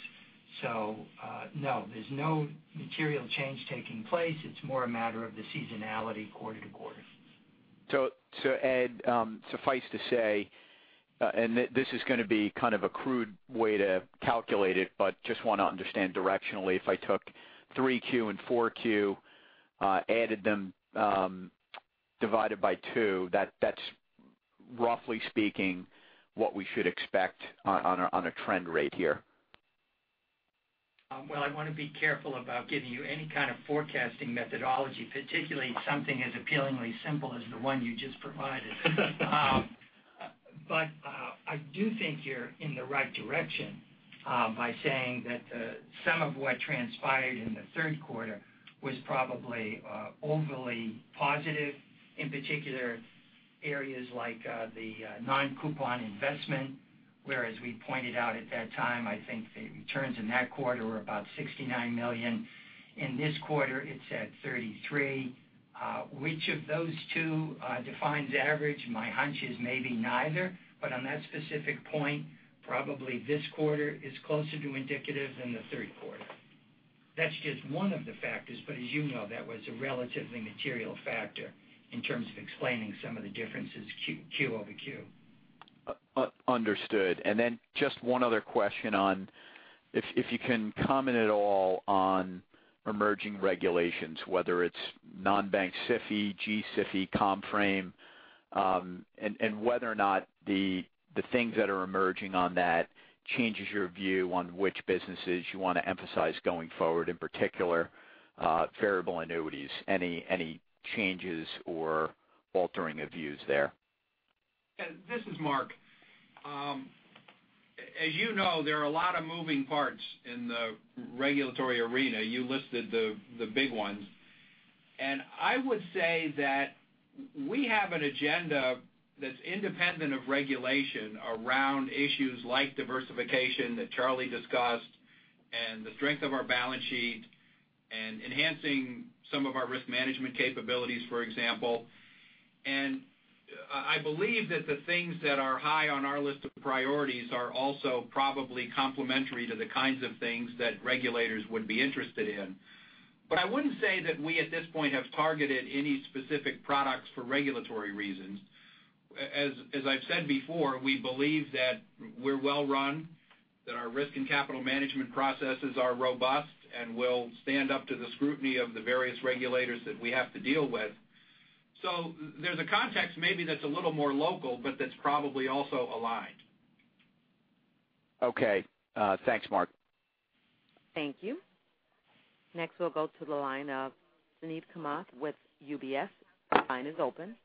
No, there's no material change taking place. It's more a matter of the seasonality quarter to quarter. Ed, suffice to say, and this is going to be kind of a crude way to calculate it, but just want to understand directionally, if I took 3Q and 4Q, added them, divided by two, that's roughly speaking what we should expect on a trend rate here? I want to be careful about giving you any kind of forecasting methodology, particularly something as appealingly simple as the one you just provided. I do think you're in the right direction by saying that some of what transpired in the third quarter was probably overly positive, in particular areas like the non-coupon investment. Whereas we pointed out at that time, I think the returns in that quarter were about $69 million. In this quarter, it's at $33 million. Which of those two defines average? My hunch is maybe neither. On that specific point, probably this quarter is closer to indicative than the third quarter. That's just one of the factors, but as you know, that was a relatively material factor in terms of explaining some of the differences Q over Q. Understood. Then just one other question on if you can comment at all on emerging regulations, whether it's non-bank SIFI, G-SIFI, ComFrame, and whether or not the things that are emerging on that changes your view on which businesses you want to emphasize going forward, in particular, variable annuities. Any changes or altering of views there? Ed, this is Mark. As you know, there are a lot of moving parts in the regulatory arena. You listed the big ones. I would say that we have an agenda that's independent of regulation around issues like diversification that Charlie discussed, and the strength of our balance sheet and enhancing some of our risk management capabilities, for example. I believe that the things that are high on our list of priorities are also probably complementary to the kinds of things that regulators would be interested in. I wouldn't say that we, at this point, have targeted any specific products for regulatory reasons. As I've said before, we believe that we're well-run, that our risk and capital management processes are robust and will stand up to the scrutiny of the various regulators that we have to deal with. There's a context maybe that's a little more local, but that's probably also aligned. Okay. Thanks, Mark. Thank you. Next, we'll go to the line of Suneet Kamath with UBS. Your line is open.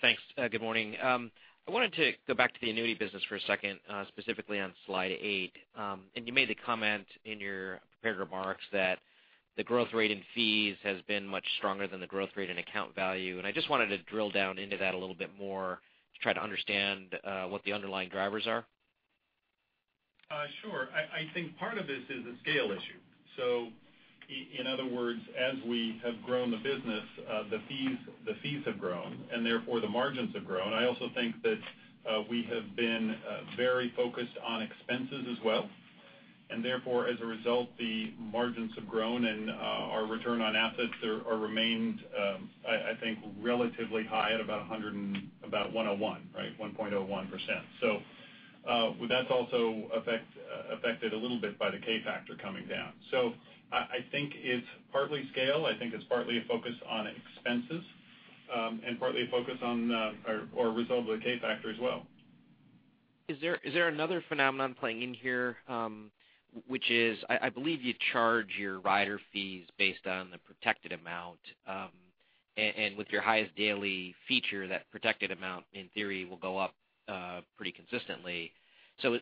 Thanks. Good morning. I wanted to go back to the annuity business for a second, specifically on slide eight. You made the comment in your prepared remarks that the growth rate in fees has been much stronger than the growth rate in account value. I just wanted to drill down into that a little bit more to try to understand what the underlying drivers are. Sure. I think part of this is a scale issue. In other words, as we have grown the business, the fees have grown, and therefore the margins have grown. I also think that we have been very focused on expenses as well, and therefore, as a result, the margins have grown and our return on assets are remained, I think, relatively high at about 101, right? 1.01%. That's also affected a little bit by the K-factor coming down. I think it's partly scale. I think it's partly a focus on expenses and partly a focus on or a result of the K-factor as well. Is there another phenomenon playing in here? Which is, I believe you charge your rider fees based on the protected amount. With your Highest Daily feature, that protected amount, in theory, will go up pretty consistently.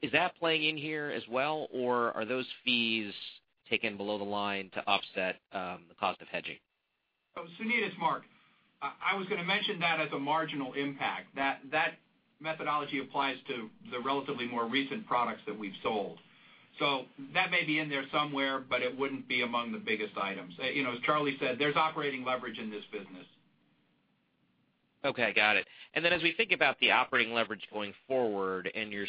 Is that playing in here as well, or are those fees taken below the line to offset the cost of hedging? Suneet, it's Mark. I was going to mention that as a marginal impact. That methodology applies to the relatively more recent products that we've sold. That may be in there somewhere, but it wouldn't be among the biggest items. As Charlie said, there's operating leverage in this business. Okay. Got it. As we think about the operating leverage going forward and your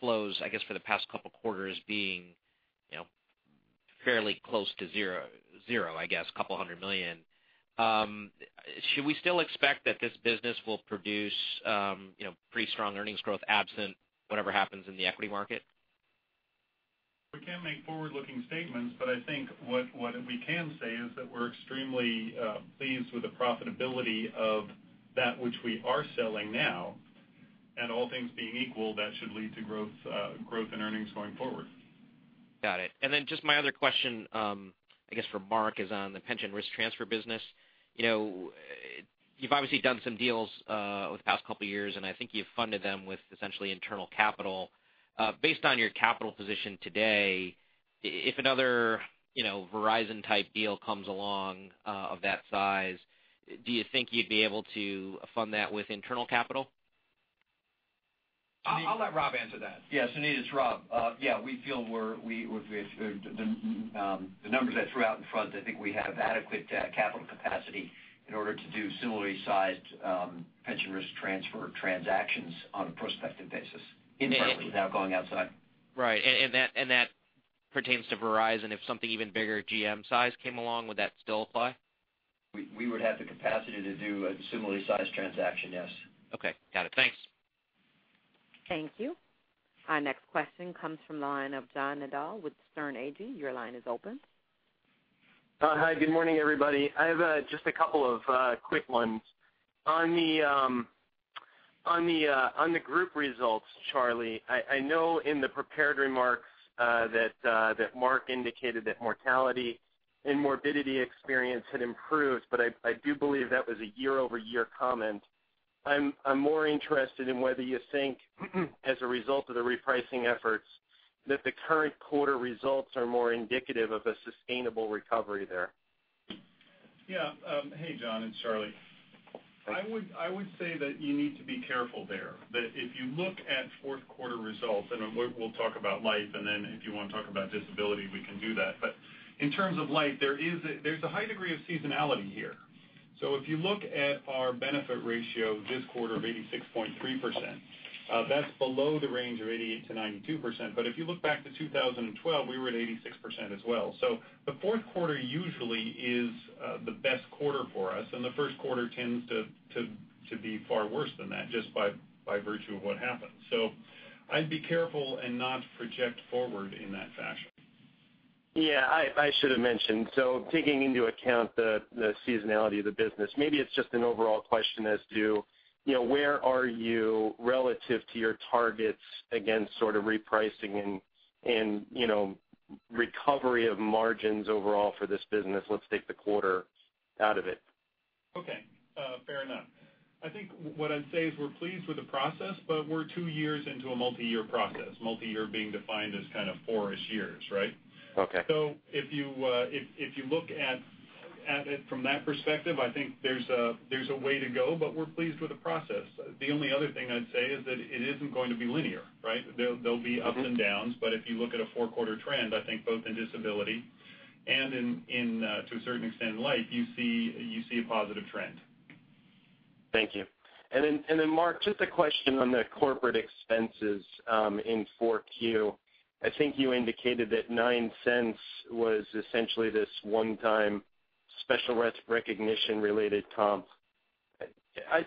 flows, I guess, for the past couple of quarters being fairly close to zero, I guess, $ couple hundred million. Should we still expect that this business will produce pretty strong earnings growth absent whatever happens in the equity market? We can't make forward-looking statements, I think what we can say is that we're extremely pleased with the profitability of that which we are selling now, and all things being equal, that should lead to growth in earnings going forward. Got it. Just my other question, I guess for Mark, is on the pension risk transfer business. You've obviously done some deals over the past couple of years, I think you've funded them with essentially internal capital. Based on your capital position today, if another Verizon-type deal comes along of that size, do you think you'd be able to fund that with internal capital? I'll let Rob answer that. Yes, Suneet, it's Rob. We feel the numbers I threw out in front, I think we have adequate capital capacity in order to do similarly sized pension risk transfer transactions on a prospective basis internally without going outside. Right. That pertains to Verizon. If something even bigger, GM size came along, would that still apply? We would have the capacity to do a similarly sized transaction, yes. Okay. Got it. Thanks. Thank you. Our next question comes from the line of John Nadel with Sterne Agee. Your line is open. Hi. Good morning, everybody. I have just a couple of quick ones. On the group results, Charlie, I know in the prepared remarks that Mark indicated that mortality and morbidity experience had improved, but I do believe that was a year-over-year comment. I'm more interested in whether you think as a result of the repricing efforts that the current quarter results are more indicative of a sustainable recovery there. Yeah. Hey, John, it's Charlie. I would say that you need to be careful there, that if you look at fourth quarter results, and we'll talk about life, and then if you want to talk about disability, we can do that. In terms of life, there's a high degree of seasonality here. If you look at our benefit ratio this quarter of 86.3%, that's below the range of 88%-92%. If you look back to 2012, we were at 86% as well. The fourth quarter usually is the best quarter for us, and the first quarter tends to be far worse than that, just by virtue of what happens. I'd be careful and not project forward in that fashion. Yeah. I should have mentioned. Taking into account the seasonality of the business, maybe it's just an overall question as to where are you relative to your targets against sort of repricing and recovery of margins overall for this business. Let's take the quarter out of it. Okay. Fair enough. I think what I'd say is we're pleased with the process, we're 2 years into a multi-year process. Multi-year being defined as kind of 4-ish years, right? Okay. If you look at it from that perspective, I think there's a way to go, we're pleased with the process. The only other thing I'd say is that it isn't going to be linear, right? There'll be ups and downs. If you look at a 4-quarter trend, I think both in disability and to a certain extent in life, you see a positive trend. Thank you. Mark, just a question on the corporate expenses in 4Q. I think you indicated that $0.09 was essentially this one-time special recognition-related comp.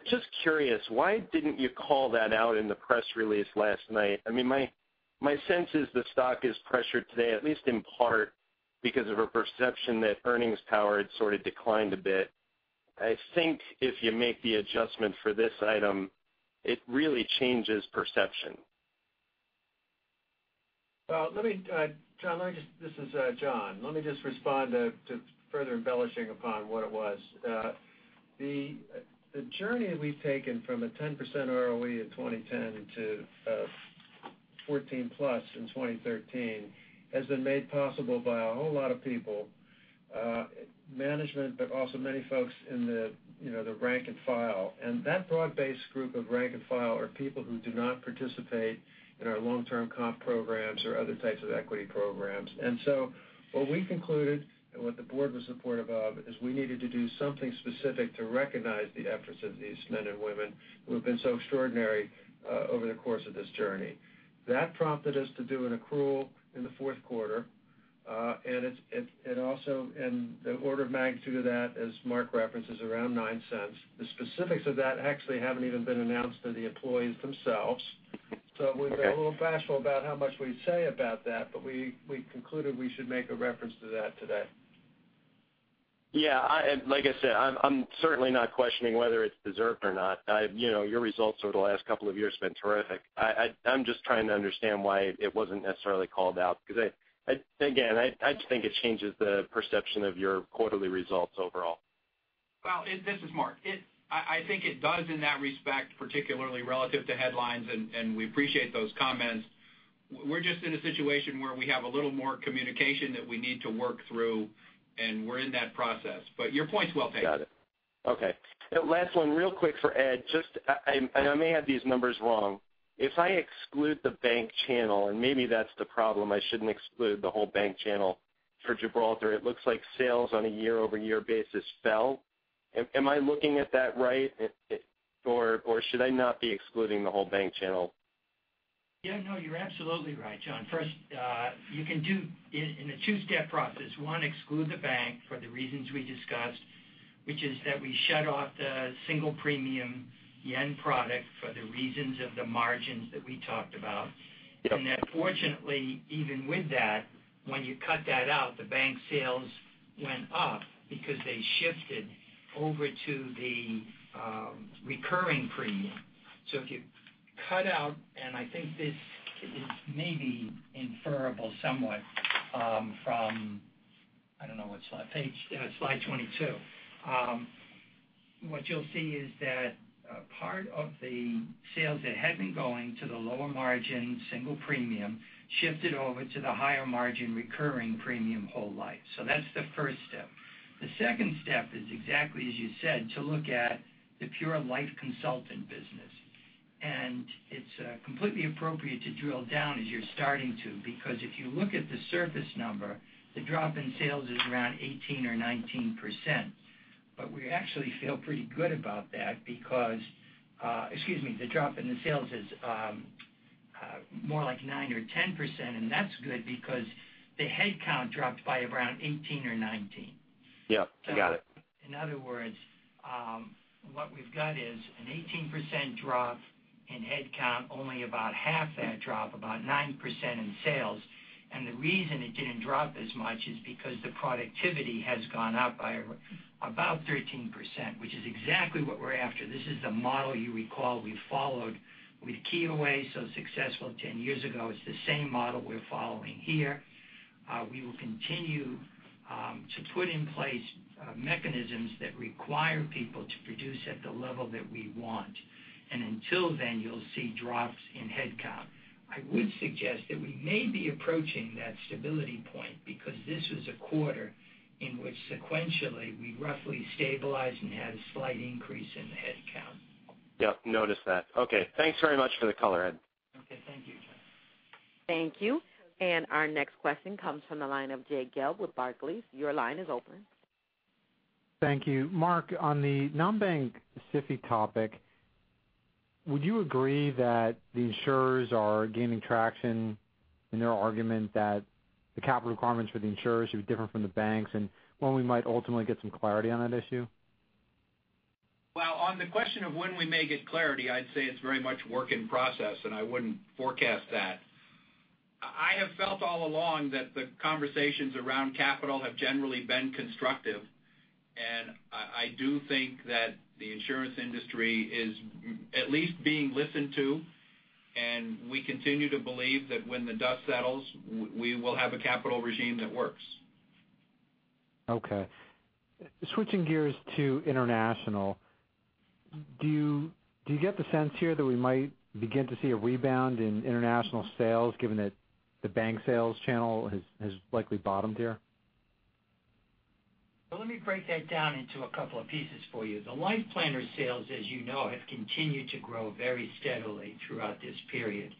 Just curious, why didn't you call that out in the press release last night? My sense is the stock is pressured today, at least in part because of a perception that earnings power had sort of declined a bit. I think if you make the adjustment for this item, it really changes perception. John, this is John. Let me just respond to further embellishing upon what it was. The journey we've taken from a 10% ROE in 2010 to 14% plus in 2013 has been made possible by a whole lot of people, management, also many folks in the rank and file. That broad-based group of rank and file are people who do not participate in our long-term comp programs or other types of equity programs. What we concluded and what the board was supportive of is we needed to do something specific to recognize the efforts of these men and women who have been so extraordinary over the course of this journey. That prompted us to do an accrual in the fourth quarter. The order of magnitude of that, as Mark referenced, is around $0.09. The specifics of that actually haven't even been announced to the employees themselves. We've been a little bashful about how much we say about that, but we concluded we should make a reference to that today. Yeah. Like I said, I'm certainly not questioning whether it's deserved or not. Your results over the last couple of years have been terrific. I'm just trying to understand why it wasn't necessarily called out, because again, I just think it changes the perception of your quarterly results overall. Well, this is Mark. I think it does in that respect, particularly relative to headlines. We appreciate those comments. We're just in a situation where we have a little more communication that we need to work through, and we're in that process. Your point is well taken. Got it. Okay. Last one real quick for Ed. Just, I may have these numbers wrong. If I exclude the bank channel, and maybe that's the problem, I shouldn't exclude the whole bank channel for Gibraltar. It looks like sales on a year-over-year basis fell. Am I looking at that right? Should I not be excluding the whole bank channel? Yeah, no, you're absolutely right, John. First, you can do in a 2-step process, 1, exclude the bank for the reasons we discussed, which is that we shut off the single premium JPY product for the reasons of the margins that we talked about. Yep. That fortunately, even with that, when you cut that out, the bank sales went up because they shifted over to the recurring premium. If you cut out, and I think this is maybe inferable somewhat from, I don't know what slide, page, Slide 22. What you'll see is that part of the sales that had been going to the lower margin single premium shifted over to the higher margin recurring premium whole life. That's the first step. The second step is exactly as you said, to look at the pure Life Planner business. It's completely appropriate to drill down as you're starting to, because if you look at the surface number, the drop in sales is around 18% or 19%. We actually feel pretty good about that because, excuse me, the drop in the sales is more like 9% or 10%, and that's good because the headcount dropped by around 18% or 19%. Yep, got it. In other words, what we've got is an 18% drop in headcount, only about half that drop, about 9% in sales. The reason it didn't drop as much is because the productivity has gone up by about 13%, which is exactly what we're after. This is the model you recall we followed with KeyAway, so successful 10 years ago. It's the same model we're following here. We will continue to put in place mechanisms that require people to produce at the level that we want. Until then, you'll see drops in headcount. I would suggest that we may be approaching that stability point because this was a quarter in which sequentially we roughly stabilized and had a slight increase in the headcount. Yep, noticed that. Okay. Thanks very much for the color, Ed. Okay. Thank you, John. Thank you. Our next question comes from the line of Jay Gelb with Barclays. Your line is open. Thank you. Mark, on the non-bank SIFI topic, would you agree that the insurers are gaining traction in their argument that the capital requirements for the insurers should be different from the banks, and when we might ultimately get some clarity on that issue? Well, on the question of when we may get clarity, I'd say it's very much work in process. I wouldn't forecast that. I have felt all along that the conversations around capital have generally been constructive. I do think that the insurance industry is at least being listened to. We continue to believe that when the dust settles, we will have a capital regime that works. Okay. Switching gears to International, do you get the sense here that we might begin to see a rebound in International sales given that the bank sales channel has likely bottomed here? Well, let me break that down into a couple of pieces for you. The LifePlanner sales, as you know, have continued to grow very steadily throughout this period.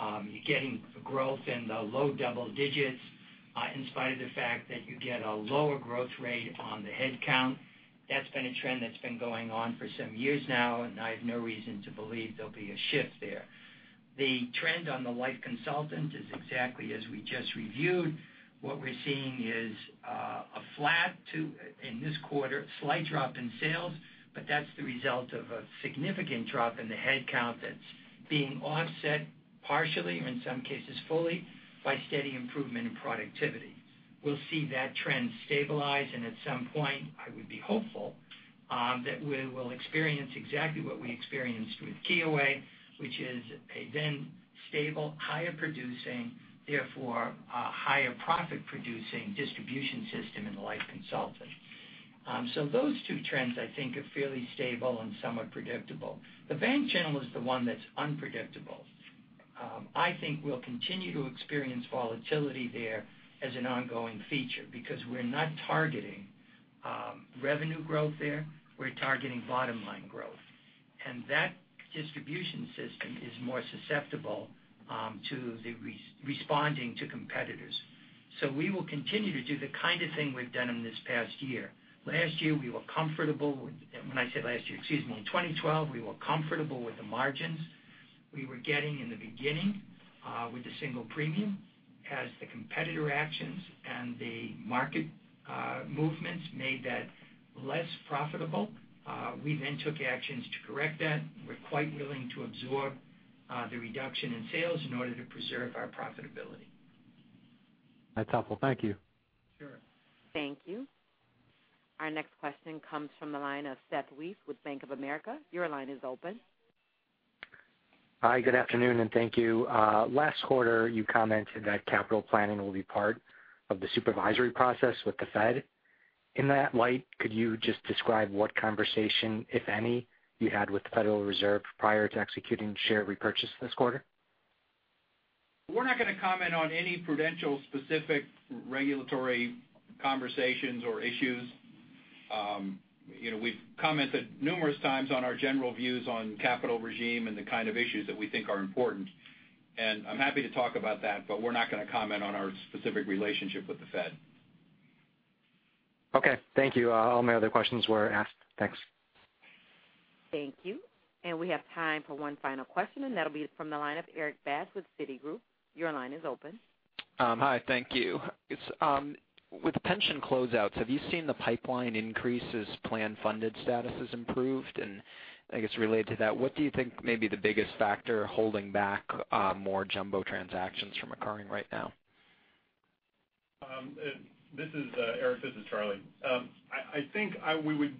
You're getting growth in the low double digits in spite of the fact that you get a lower growth rate on the headcount. I have no reason to believe there'll be a shift there. The trend on the life consultant is exactly as we just reviewed. What we're seeing is a flat to, in this quarter, slight drop in sales, that's the result of a significant drop in the headcount that's being offset partially or in some cases fully by steady improvement in productivity. We'll see that trend stabilize. At some point, I would be hopeful that we will experience exactly what we experienced with KeyAway, which is a then stable, higher producing, therefore a higher profit-producing distribution system in the life consultant. Those two trends, I think, are fairly stable and somewhat predictable. The bank channel is the one that's unpredictable. I think we'll continue to experience volatility there as an ongoing feature because we're not targeting revenue growth there. We're targeting bottom-line growth. That distribution system is more susceptible to the responding to competitors. We will continue to do the kind of thing we've done in this past year. Last year, we were comfortable. When I say last year, excuse me, in 2012, we were comfortable with the margins we were getting in the beginning with the single premium. As the competitor actions and the market movements made that less profitable, we then took actions to correct that. We're quite willing to absorb the reduction in sales in order to preserve our profitability. That's helpful. Thank you. Sure. Thank you. Our next question comes from the line of Seth Weef with Bank of America. Your line is open. Hi, good afternoon and thank you. Last quarter you commented that capital planning will be part of the supervisory process with the Fed. In that light, could you just describe what conversation, if any, you had with the Federal Reserve prior to executing share repurchase this quarter? We're not going to comment on any Prudential specific regulatory conversations or issues. We've commented numerous times on our general views on capital regime and the kind of issues that we think are important. I'm happy to talk about that, but we're not going to comment on our specific relationship with the Fed. Okay. Thank you. All my other questions were asked. Thanks. Thank you. We have time for one final question, and that'll be from the line of Erik Bass with Citigroup. Your line is open. Hi. Thank you. With pension closeouts, have you seen the pipeline increase as plan funded status has improved? I guess related to that, what do you think may be the biggest factor holding back more jumbo transactions from occurring right now? Erik, this is Charlie. I think we would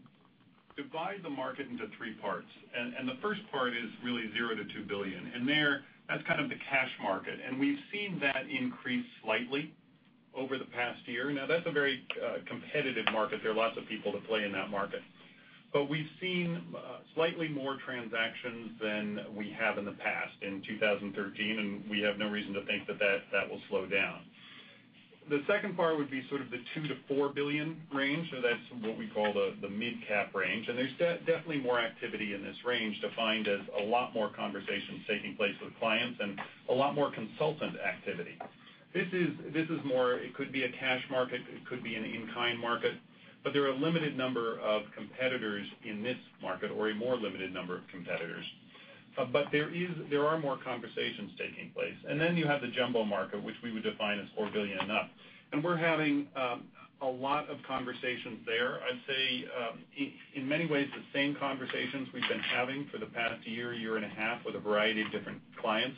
divide the market into three parts. The first part is really $0 to $2 billion. There, that's kind of the cash market, and we've seen that increase slightly over the past year. Now, that's a very competitive market. There are lots of people that play in that market. We've seen slightly more transactions than we have in the past, in 2013, and we have no reason to think that that will slow down. The second part would be sort of the $2 billion to $4 billion range, so that's what we call the mid-cap range. There's definitely more activity in this range, defined as a lot more conversations taking place with clients and a lot more consultant activity. This could be a cash market, it could be an in-kind market, but there are a limited number of competitors in this market or a more limited number of competitors. There are more conversations taking place. You have the jumbo market, which we would define as $4 billion and up. We're having a lot of conversations there. I'd say, in many ways, the same conversations we've been having for the past year and a half with a variety of different clients.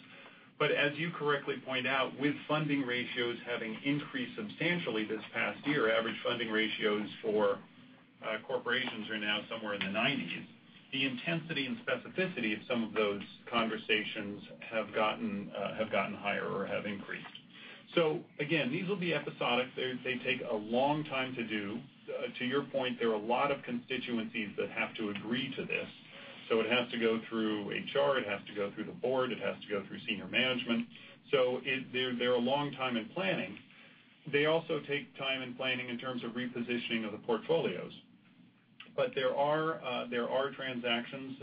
As you correctly point out, with funding ratios having increased substantially this past year, average funding ratios for corporations are now somewhere in the 90s. The intensity and specificity of some of those conversations have gotten higher or have increased. Again, these will be episodic. They take a long time to do. To your point, there are a lot of constituencies that have to agree to this. It has to go through HR, it has to go through the board, it has to go through senior management. They're a long time in planning. They also take time in planning in terms of repositioning of the portfolios. There are transactions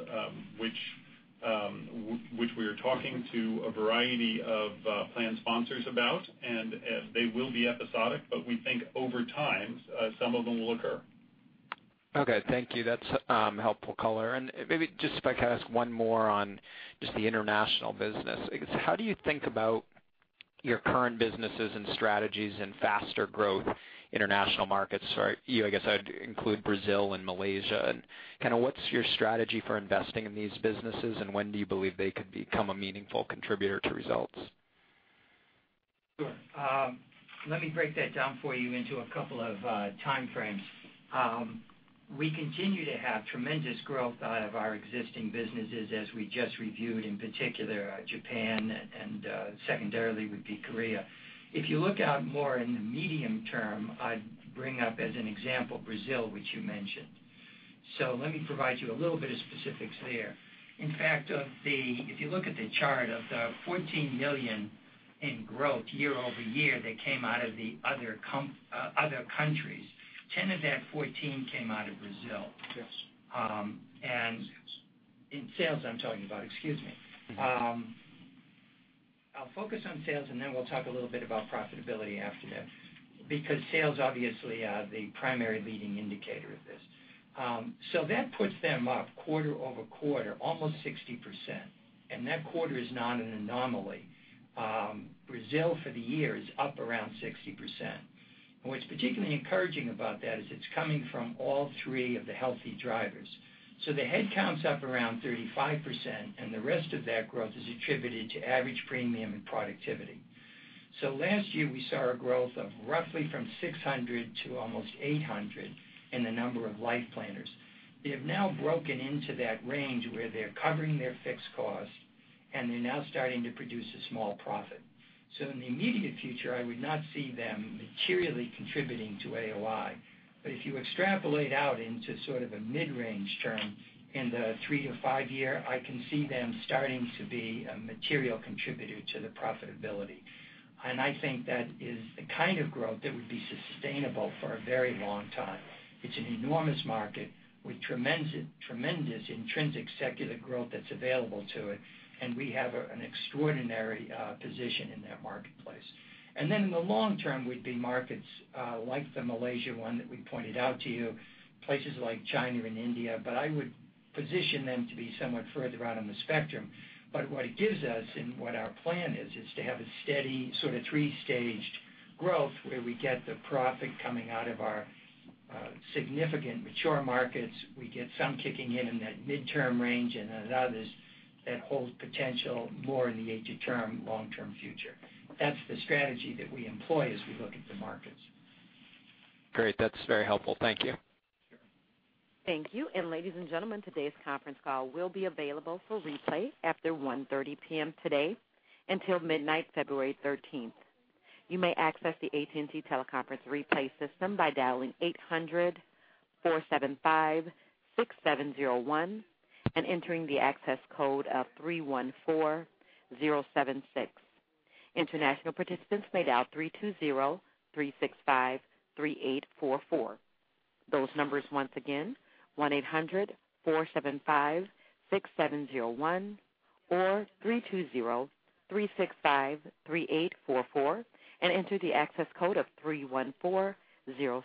which we are talking to a variety of plan sponsors about. They will be episodic, we think over time, some of them will occur. Okay. Thank you. That's helpful color. Maybe just if I could ask one more on just the International Businesses. How do you think about your current businesses and strategies in faster growth international markets? I guess I'd include Brazil and Malaysia. Kind of what's your strategy for investing in these businesses, and when do you believe they could become a meaningful contributor to results? Sure. Let me break that down for you into a couple of time frames. We continue to have tremendous growth out of our existing businesses, as we just reviewed, in particular, Japan, and secondarily would be Korea. If you look out more in the medium term, I'd bring up as an example Brazil, which you mentioned. Let me provide you a little bit of specifics there. In fact, if you look at the chart of the $14 million in growth year-over-year that came out of the other countries, $10 of that $14 came out of Brazil. Yes. In sales I'm talking about, excuse me. I'll focus on sales and then we'll talk a little bit about profitability after that, because sales obviously are the primary leading indicator of this. That puts them up quarter-over-quarter almost 60%, and that quarter is not an anomaly. Brazil for the year is up around 60%. What's particularly encouraging about that is it's coming from all three of the healthy drivers. The headcount's up around 35%, and the rest of that growth is attributed to average premium and productivity. Last year we saw a growth of roughly from 600 to almost 800 in the number of Life Planners. They have now broken into that range where they're covering their fixed cost and they're now starting to produce a small profit. In the immediate future, I would not see them materially contributing to AOI. If you extrapolate out into sort of a mid-range term in the 3 to 5 year, I can see them starting to be a material contributor to the profitability. I think that is the kind of growth that would be sustainable for a very long time. It's an enormous market with tremendous intrinsic secular growth that's available to it, and we have an extraordinary position in that marketplace. Then in the long term would be markets like the Malaysia one that we pointed out to you, places like China and India, but I would position them to be somewhat further out on the spectrum. What it gives us and what our plan is to have a steady sort of 3-staged growth where we get the profit coming out of our significant mature markets. We get some kicking in in that midterm range, others that hold potential more in the intermediate term, long-term future. That's the strategy that we employ as we look at the markets. Great. That's very helpful. Thank you. Sure. Thank you. Ladies and gentlemen, today's conference call will be available for replay after 1:30 P.M. today until midnight February 13th. You may access the AT&T teleconference replay system by dialing 800-475-6701 and entering the access code of 314076. International participants may dial 320-365-3844. Those numbers once again, 1-800-475-6701 or 320-365-3844, enter the access code of 314076.